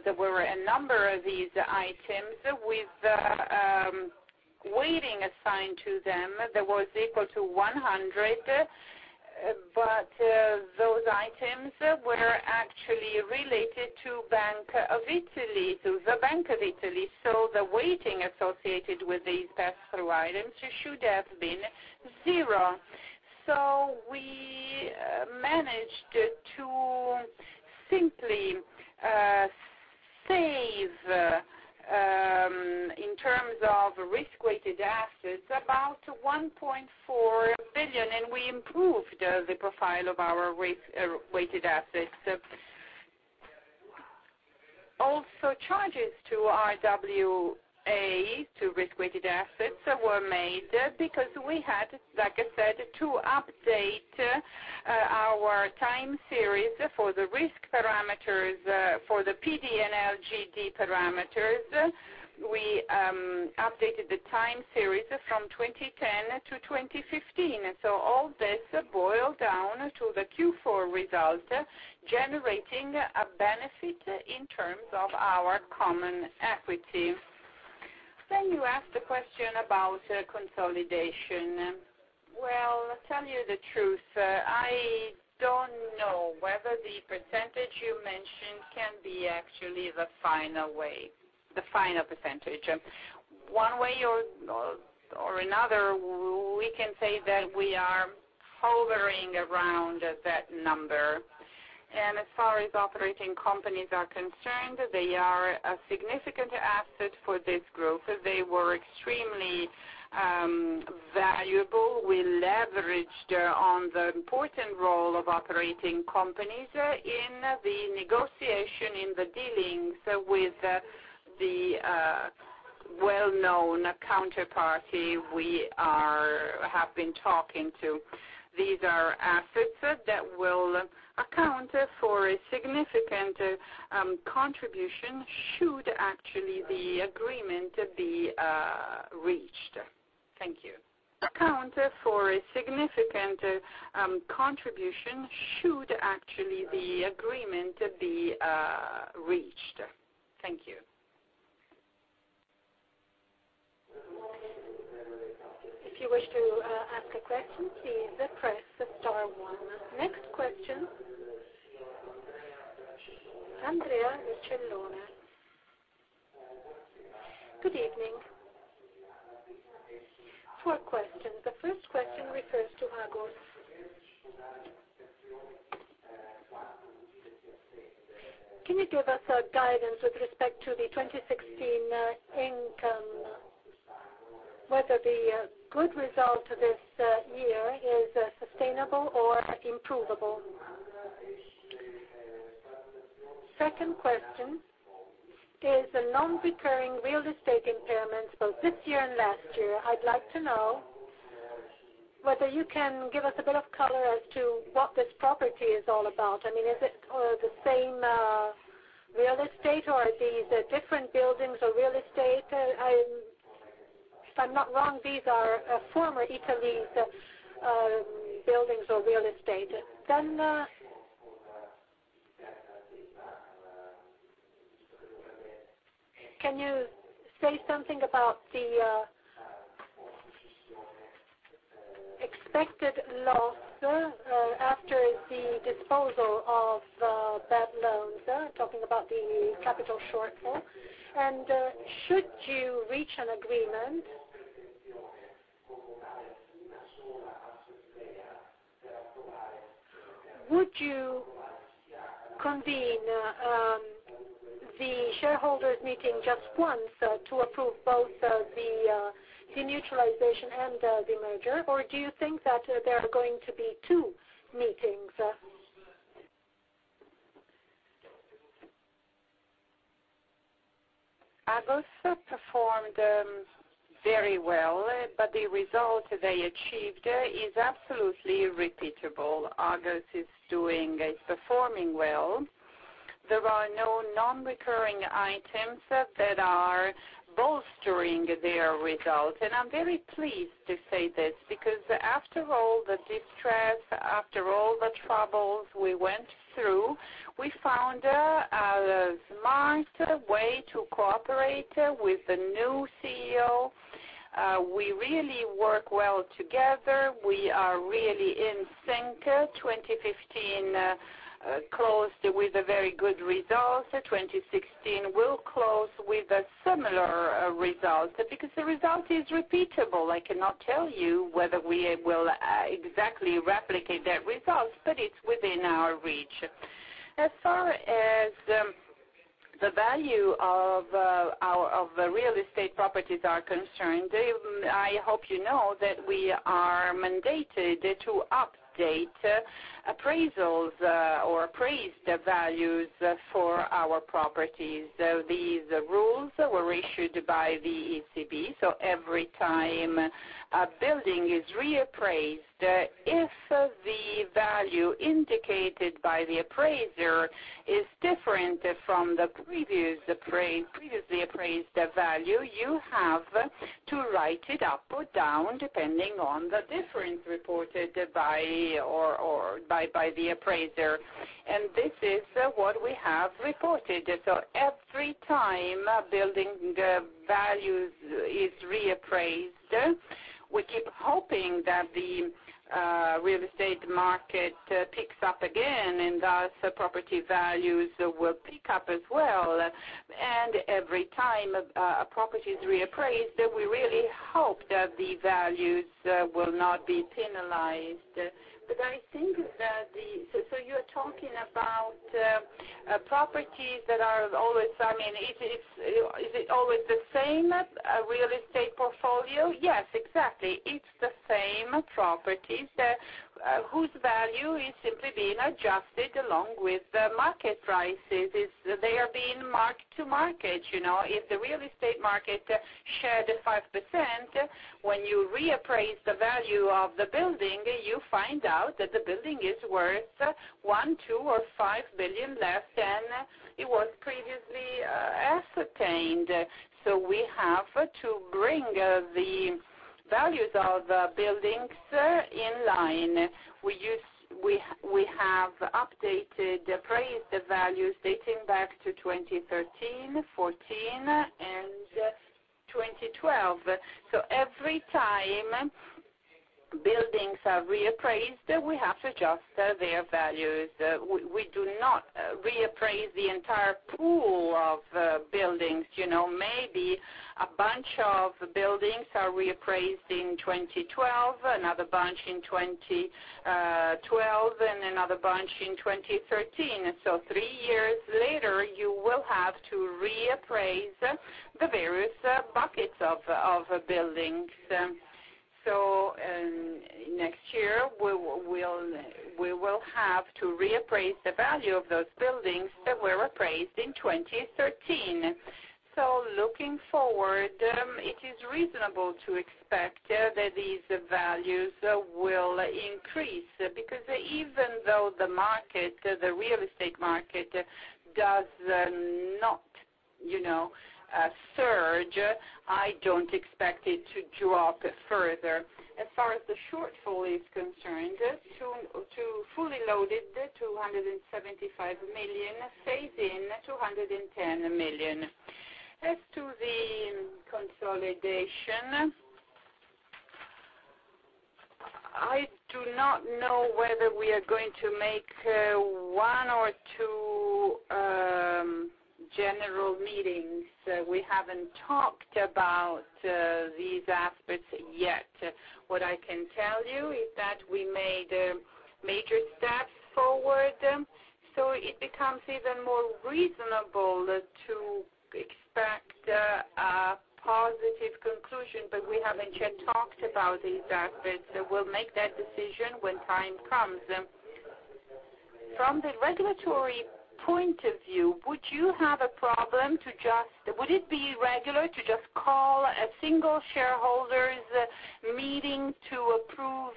there were a number of these items with weighting assigned to them that was equal to 100, but those items were actually related to the Bank of Italy, so the weighting associated with these pass-through items should have been zero. We managed to simply save in terms of risk-weighted assets, about 1.4 billion, and we improved the profile of our risk-weighted assets. Also, charges to RWA, to risk-weighted assets, were made because we had, like I said, to update our time series for the risk parameters for the PD and LGD parameters. We updated the time series from 2010 to 2015, all this boiled down to the Q4 result, generating a benefit in terms of our common equity. You asked a question about consolidation. Well, tell you the truth, I don't know whether the percentage you mentioned can be actually the final percentage. One way or another, we can say that we are hovering around that number. As far as operating companies are concerned, they are a significant asset for this group. They were extremely valuable. We leveraged on the important role of operating companies in the negotiation, in the dealings with the well-known counterparty we have been talking to. These are assets that will account for a significant contribution should actually the agreement be reached. Thank you. If you wish to ask a question, please press star one. Next question, Andrea Vercellone. Good evening. Four questions. The first question refers to Agos. Can you give us a guidance with respect to the 2016 income? Whether the good result this year is sustainable or improvable. Second question is the non-recurring real estate impairments both this year and last year. I'd like to know whether you can give us a bit of color as to what this property is all about. Is it the same real estate, or are these different buildings or real estate? If I'm not wrong, these are former Italease's buildings or real estate. Can you say something about the expected loss after the disposal of bad loans, talking about the capital shortfall. Should you reach an agreement, would you convene the shareholders meeting just once to approve both the demutualization and the merger, or do you think that there are going to be two meetings? Agos performed very well, the result they achieved is absolutely repeatable. Agos is performing well. There are no non-recurring items that are bolstering their results. I'm very pleased to say this because after all the distress, after all the troubles we went through, we found a smart way to cooperate with the new CEO. We really work well together. We are really in sync. 2015 closed with a very good result. 2016 will close with a similar result because the result is repeatable. I cannot tell you whether we will exactly replicate that result, but it's within our reach. As far as the value of the real estate properties are concerned, I hope you know that we are mandated to update appraisals or appraise the values for our properties. These rules were issued by the ECB, every time a building is reappraised, if the value indicated by the appraiser is different from the previously appraised value, you have to write it up or down, depending on the difference reported by the appraiser. This is what we have reported. Every time a building value is reappraised, we keep hoping that the real estate market picks up again, and thus the property values will pick up as well. Every time a property is reappraised, we really hope that the values will not be penalized. You're talking about properties that are always the same real estate portfolio? Yes, exactly. It's the same properties whose value is simply being adjusted along with the market prices. They are being marked to market. If the real estate market shed 5%, when you reappraise the value of the building, you find out that the building is worth 1, 2, or 5 billion less than it was previously ascertained. We have to bring the values of the buildings in line. We have updated appraised values dating back to 2013, 2014, and 2012. Every time buildings are reappraised, we have to adjust their values. We do not reappraise the entire pool of buildings. Maybe a bunch of buildings are reappraised in 2012, another bunch in 2012, and another bunch in 2013. Three years later, you will have to reappraise the various buckets of buildings. Next year, we will have to reappraise the value of those buildings that were appraised in 2013. Looking forward, it is reasonable to expect that these values will increase, because even though the real estate market does not surge, I don't expect it to drop further. As far as the shortfall is concerned, to fully loaded, 275 million, phase-in 210 million. As to the consolidation, I do not know whether we are going to make one or two general meetings. We haven't talked about these aspects yet. What I can tell you is that we made major steps forward, so it becomes even more reasonable to expect a positive conclusion, but we haven't yet talked about these aspects. We'll make that decision when time comes. From the regulatory point of view, would it be regular to just call a single shareholders meeting to approve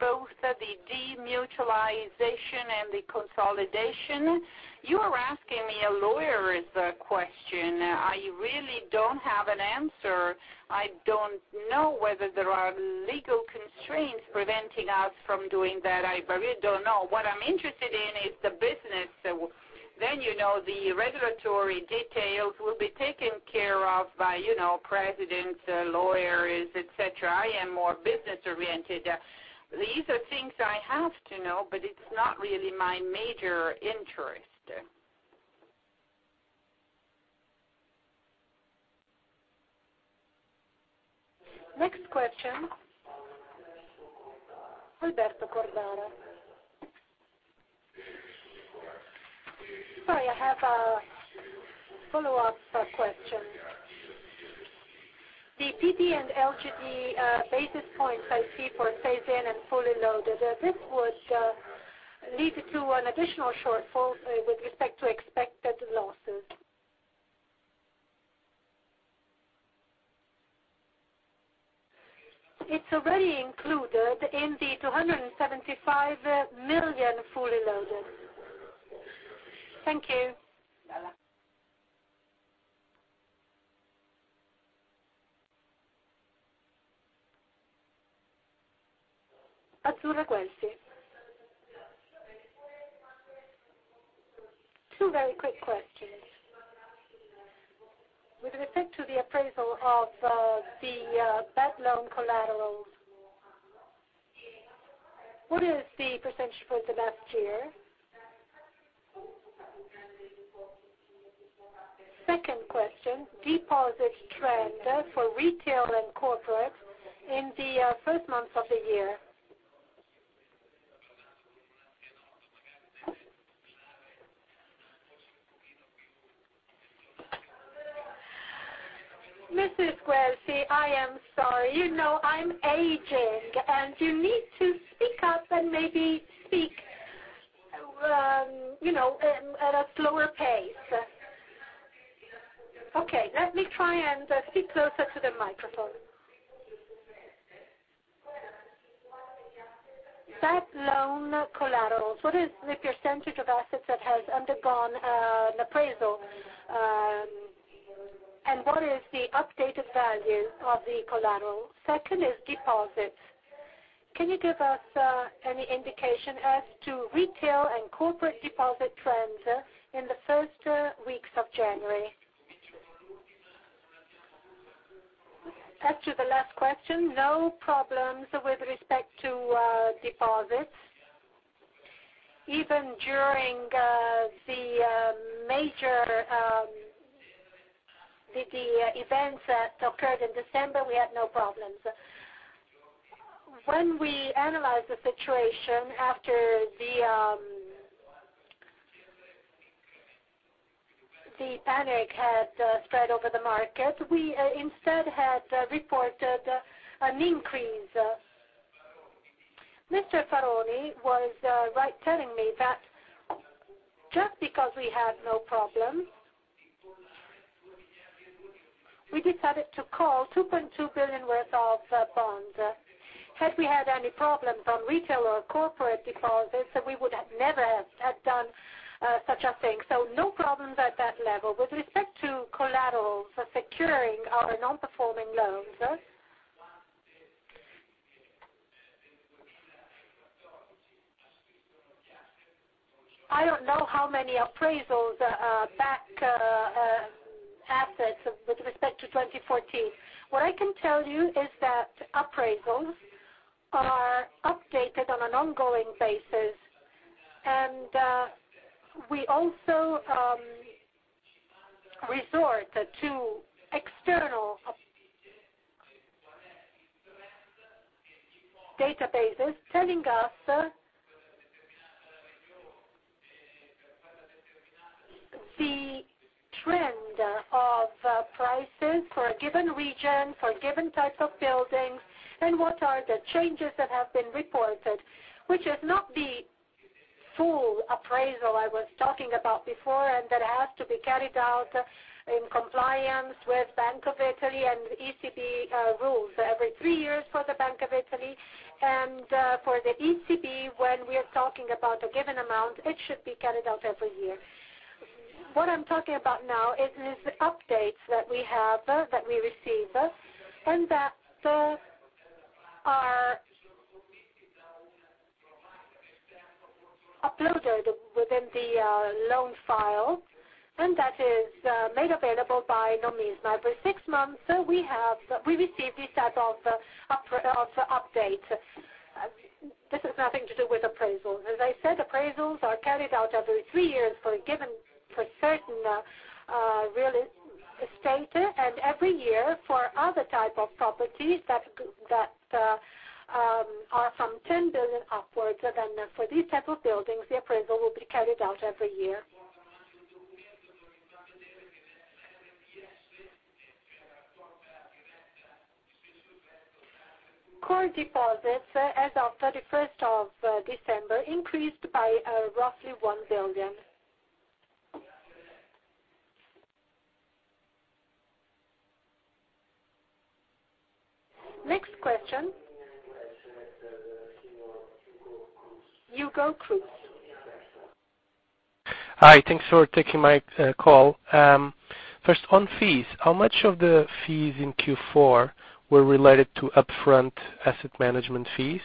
both the demutualization and the consolidation? You are asking me a lawyer's question. I really don't have an answer. I don't know whether there are legal constraints preventing us from doing that. I really don't know. What I'm interested in is the business. The regulatory details will be taken care of by presidents, lawyers, et cetera. I am more business-oriented. These are things I have to know, but it's not really my major interest. Next question. Alberto Cordara. Sorry, I have a follow-up question. The PD and LGD basis points I see for phase-in and fully loaded, this would lead to an additional shortfall with respect to expected losses. It's already included in the 275 million fully loaded. Thank you. Bella. Azzurra Guelfi. Two very quick questions. With respect to the appraisal of the bad loan collaterals, what is the percentage for the past year? Second question, deposit trend for retail and corporate in the first months of the year. Mrs. Guelfi, I am sorry. I'm aging. You need to speak up and maybe speak at a slower pace. Okay, let me try and speak closer to the microphone. Bad loan collaterals. What is the percentage of assets that has undergone an appraisal, and what is the updated value of the collateral? Second is deposits. Can you give us any indication as to retail and corporate deposit trends in the first weeks of January? As to the last question, no problems with respect to deposits. Even during the major events that occurred in December, we had no problems. When we analyzed the situation after the panic had spread over the market, we instead had reported an increase. Mr. Faroni was right telling me that just because we had no problems, we decided to call 2.2 billion worth of bonds. Had we had any problems on retail or corporate deposits, we would have never have done such a thing. No problems at that level. With respect to collaterals for securing our non-performing loans, I don't know how many appraisals are back assets with respect to 2014. What I can tell you is that appraisals are updated on an ongoing basis, and we also resort to external databases telling us the trend of prices for a given region, for a given type of buildings, and what are the changes that have been reported, which is not the full appraisal I was talking about before and that has to be carried out in compliance with Bank of Italy and ECB rules every three years for the Bank of Italy. For the ECB, when we are talking about a given amount, it should be carried out every year. What I'm talking about now is the updates that we have, that we receive, and that are uploaded within the loan file, and that is made available by Nomisma. Every six months, we receive this set of update. This has nothing to do with appraisals. As I said, appraisals are carried out every three years for certain real estate, and every year for other type of properties that are from 10 billion upwards. For these type of buildings, the appraisal will be carried out every year. Core deposits as of 31st of December increased by roughly 1 billion. Next question. Hugo Cruz. Hi. Thanks for taking my call. First, on fees, how much of the fees in Q4 were related to upfront asset management fees?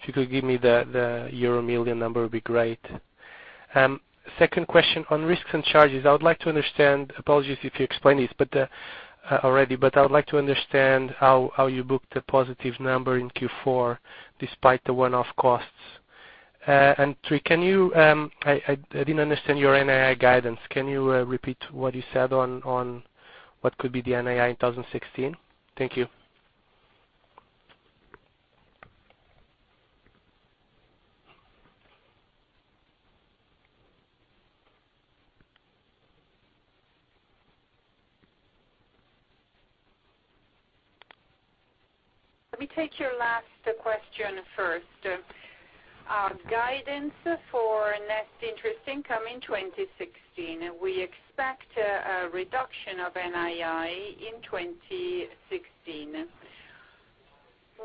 If you could give me the EUR million number, it would be great. Second question on risks and charges. I would like to understand, apologies if you explained this already, but I would like to understand how you booked a positive number in Q4 despite the one-off costs. Three, I didn't understand your NII guidance. Can you repeat what you said on what could be the NII in 2016? Thank you. Let me take your last question first. Our guidance for net interest income in 2016. We expect a reduction of NII in 2016.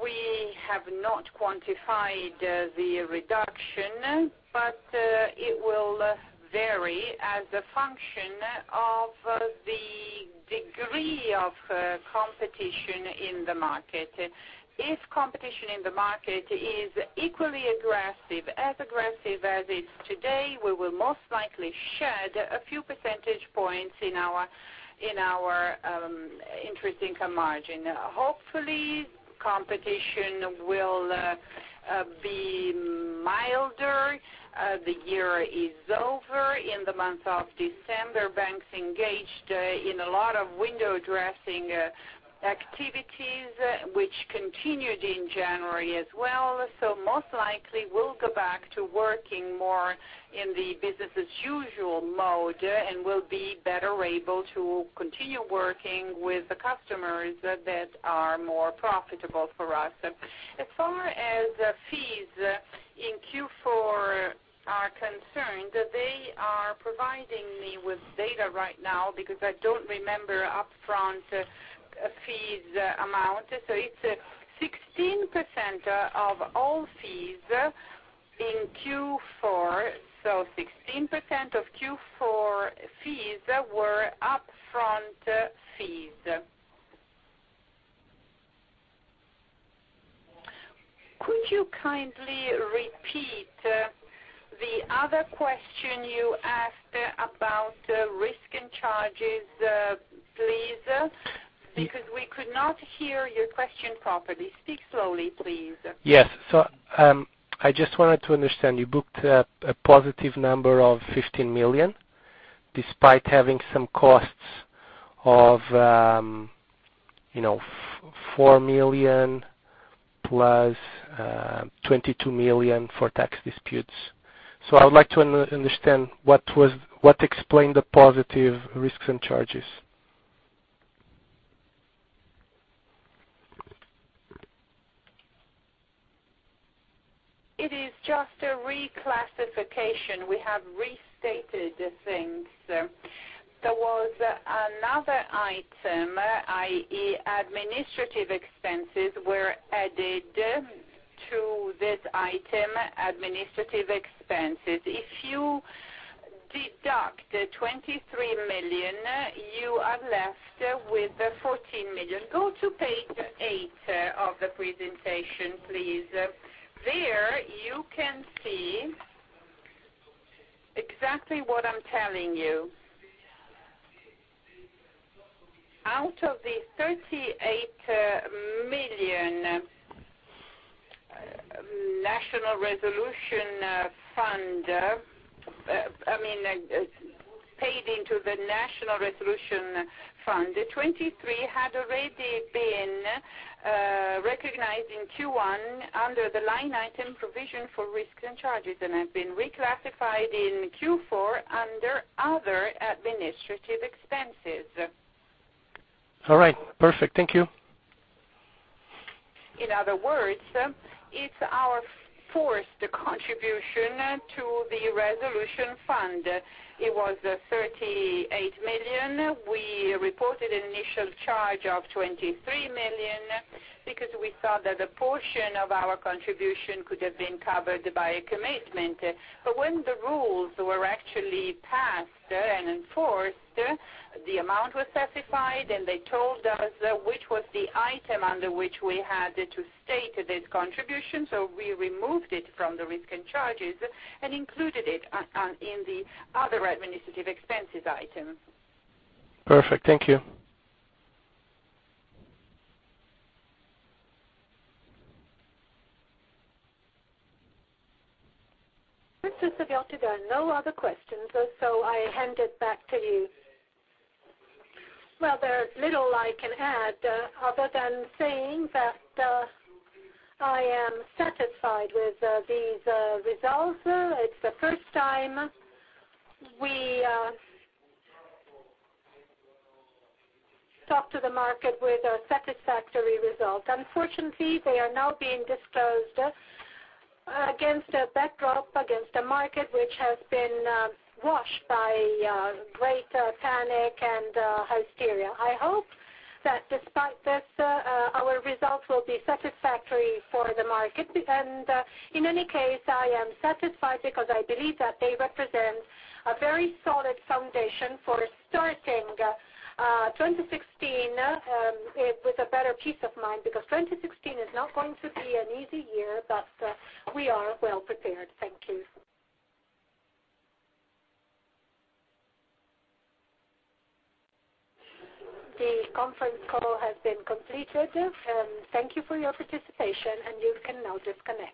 We have not quantified the reduction, but it will vary as a function of the degree of competition in the market. If competition in the market is equally aggressive, as aggressive as it is today, we will most likely shed a few percentage points in our interest income margin. Hopefully, competition will be milder. The year is over. In the month of December, banks engaged in a lot of window dressing activities which continued in January as well. Most likely we'll go back to working more in the business as usual mode and will be better able to continue working with the customers that are more profitable for us. As far as fees in Q4 are concerned, they are providing me with data right now because I don't remember upfront fees amount. It's 16% of all fees in Q4. 16% of Q4 fees were upfront fees. Could you kindly repeat the other question you asked about risk and charges, please? Because we could not hear your question properly. Speak slowly, please. Yes. I just wanted to understand, you booked a positive number of 15 million despite having some costs of 4 million plus 22 million for tax disputes. I would like to understand what explained the positive risks and charges. It is just a reclassification. We have restated things. There was another item, i.e., administrative expenses, were added to this item, administrative expenses. If you deduct 23 million, you are left with 14 million. Go to page eight of the presentation, please. There you can see exactly what I'm telling you. Out of the EUR 38 million paid into the National Resolution Fund, 23 had already been recognized in Q1 under the line item provision for risks and charges, and have been reclassified in Q4 under other administrative expenses. All right. Perfect. Thank you. In other words, it's our forced contribution to the Resolution Fund. It was 38 million. We reported an initial charge of 23 million because we thought that a portion of our contribution could have been covered by a commitment. When the rules were actually passed and enforced, the amount was specified, and they told us which was the item under which we had to state this contribution. We removed it from the risk and charges and included it in the other administrative expenses item. Perfect. Thank you. Saviotti, no other questions, I hand it back to you. Well, there's little I can add other than saying that I am satisfied with these results. It's the first time we talk to the market with a satisfactory result. Unfortunately, they are now being disclosed against a backdrop, against a market which has been washed by great panic and hysteria. I hope that despite this, our results will be satisfactory for the market. In any case, I am satisfied because I believe that they represent a very solid foundation for starting 2016 with a better peace of mind, because 2016 is not going to be an easy year, we are well prepared. Thank you. The conference call has been completed. Thank you for your participation, you can now disconnect.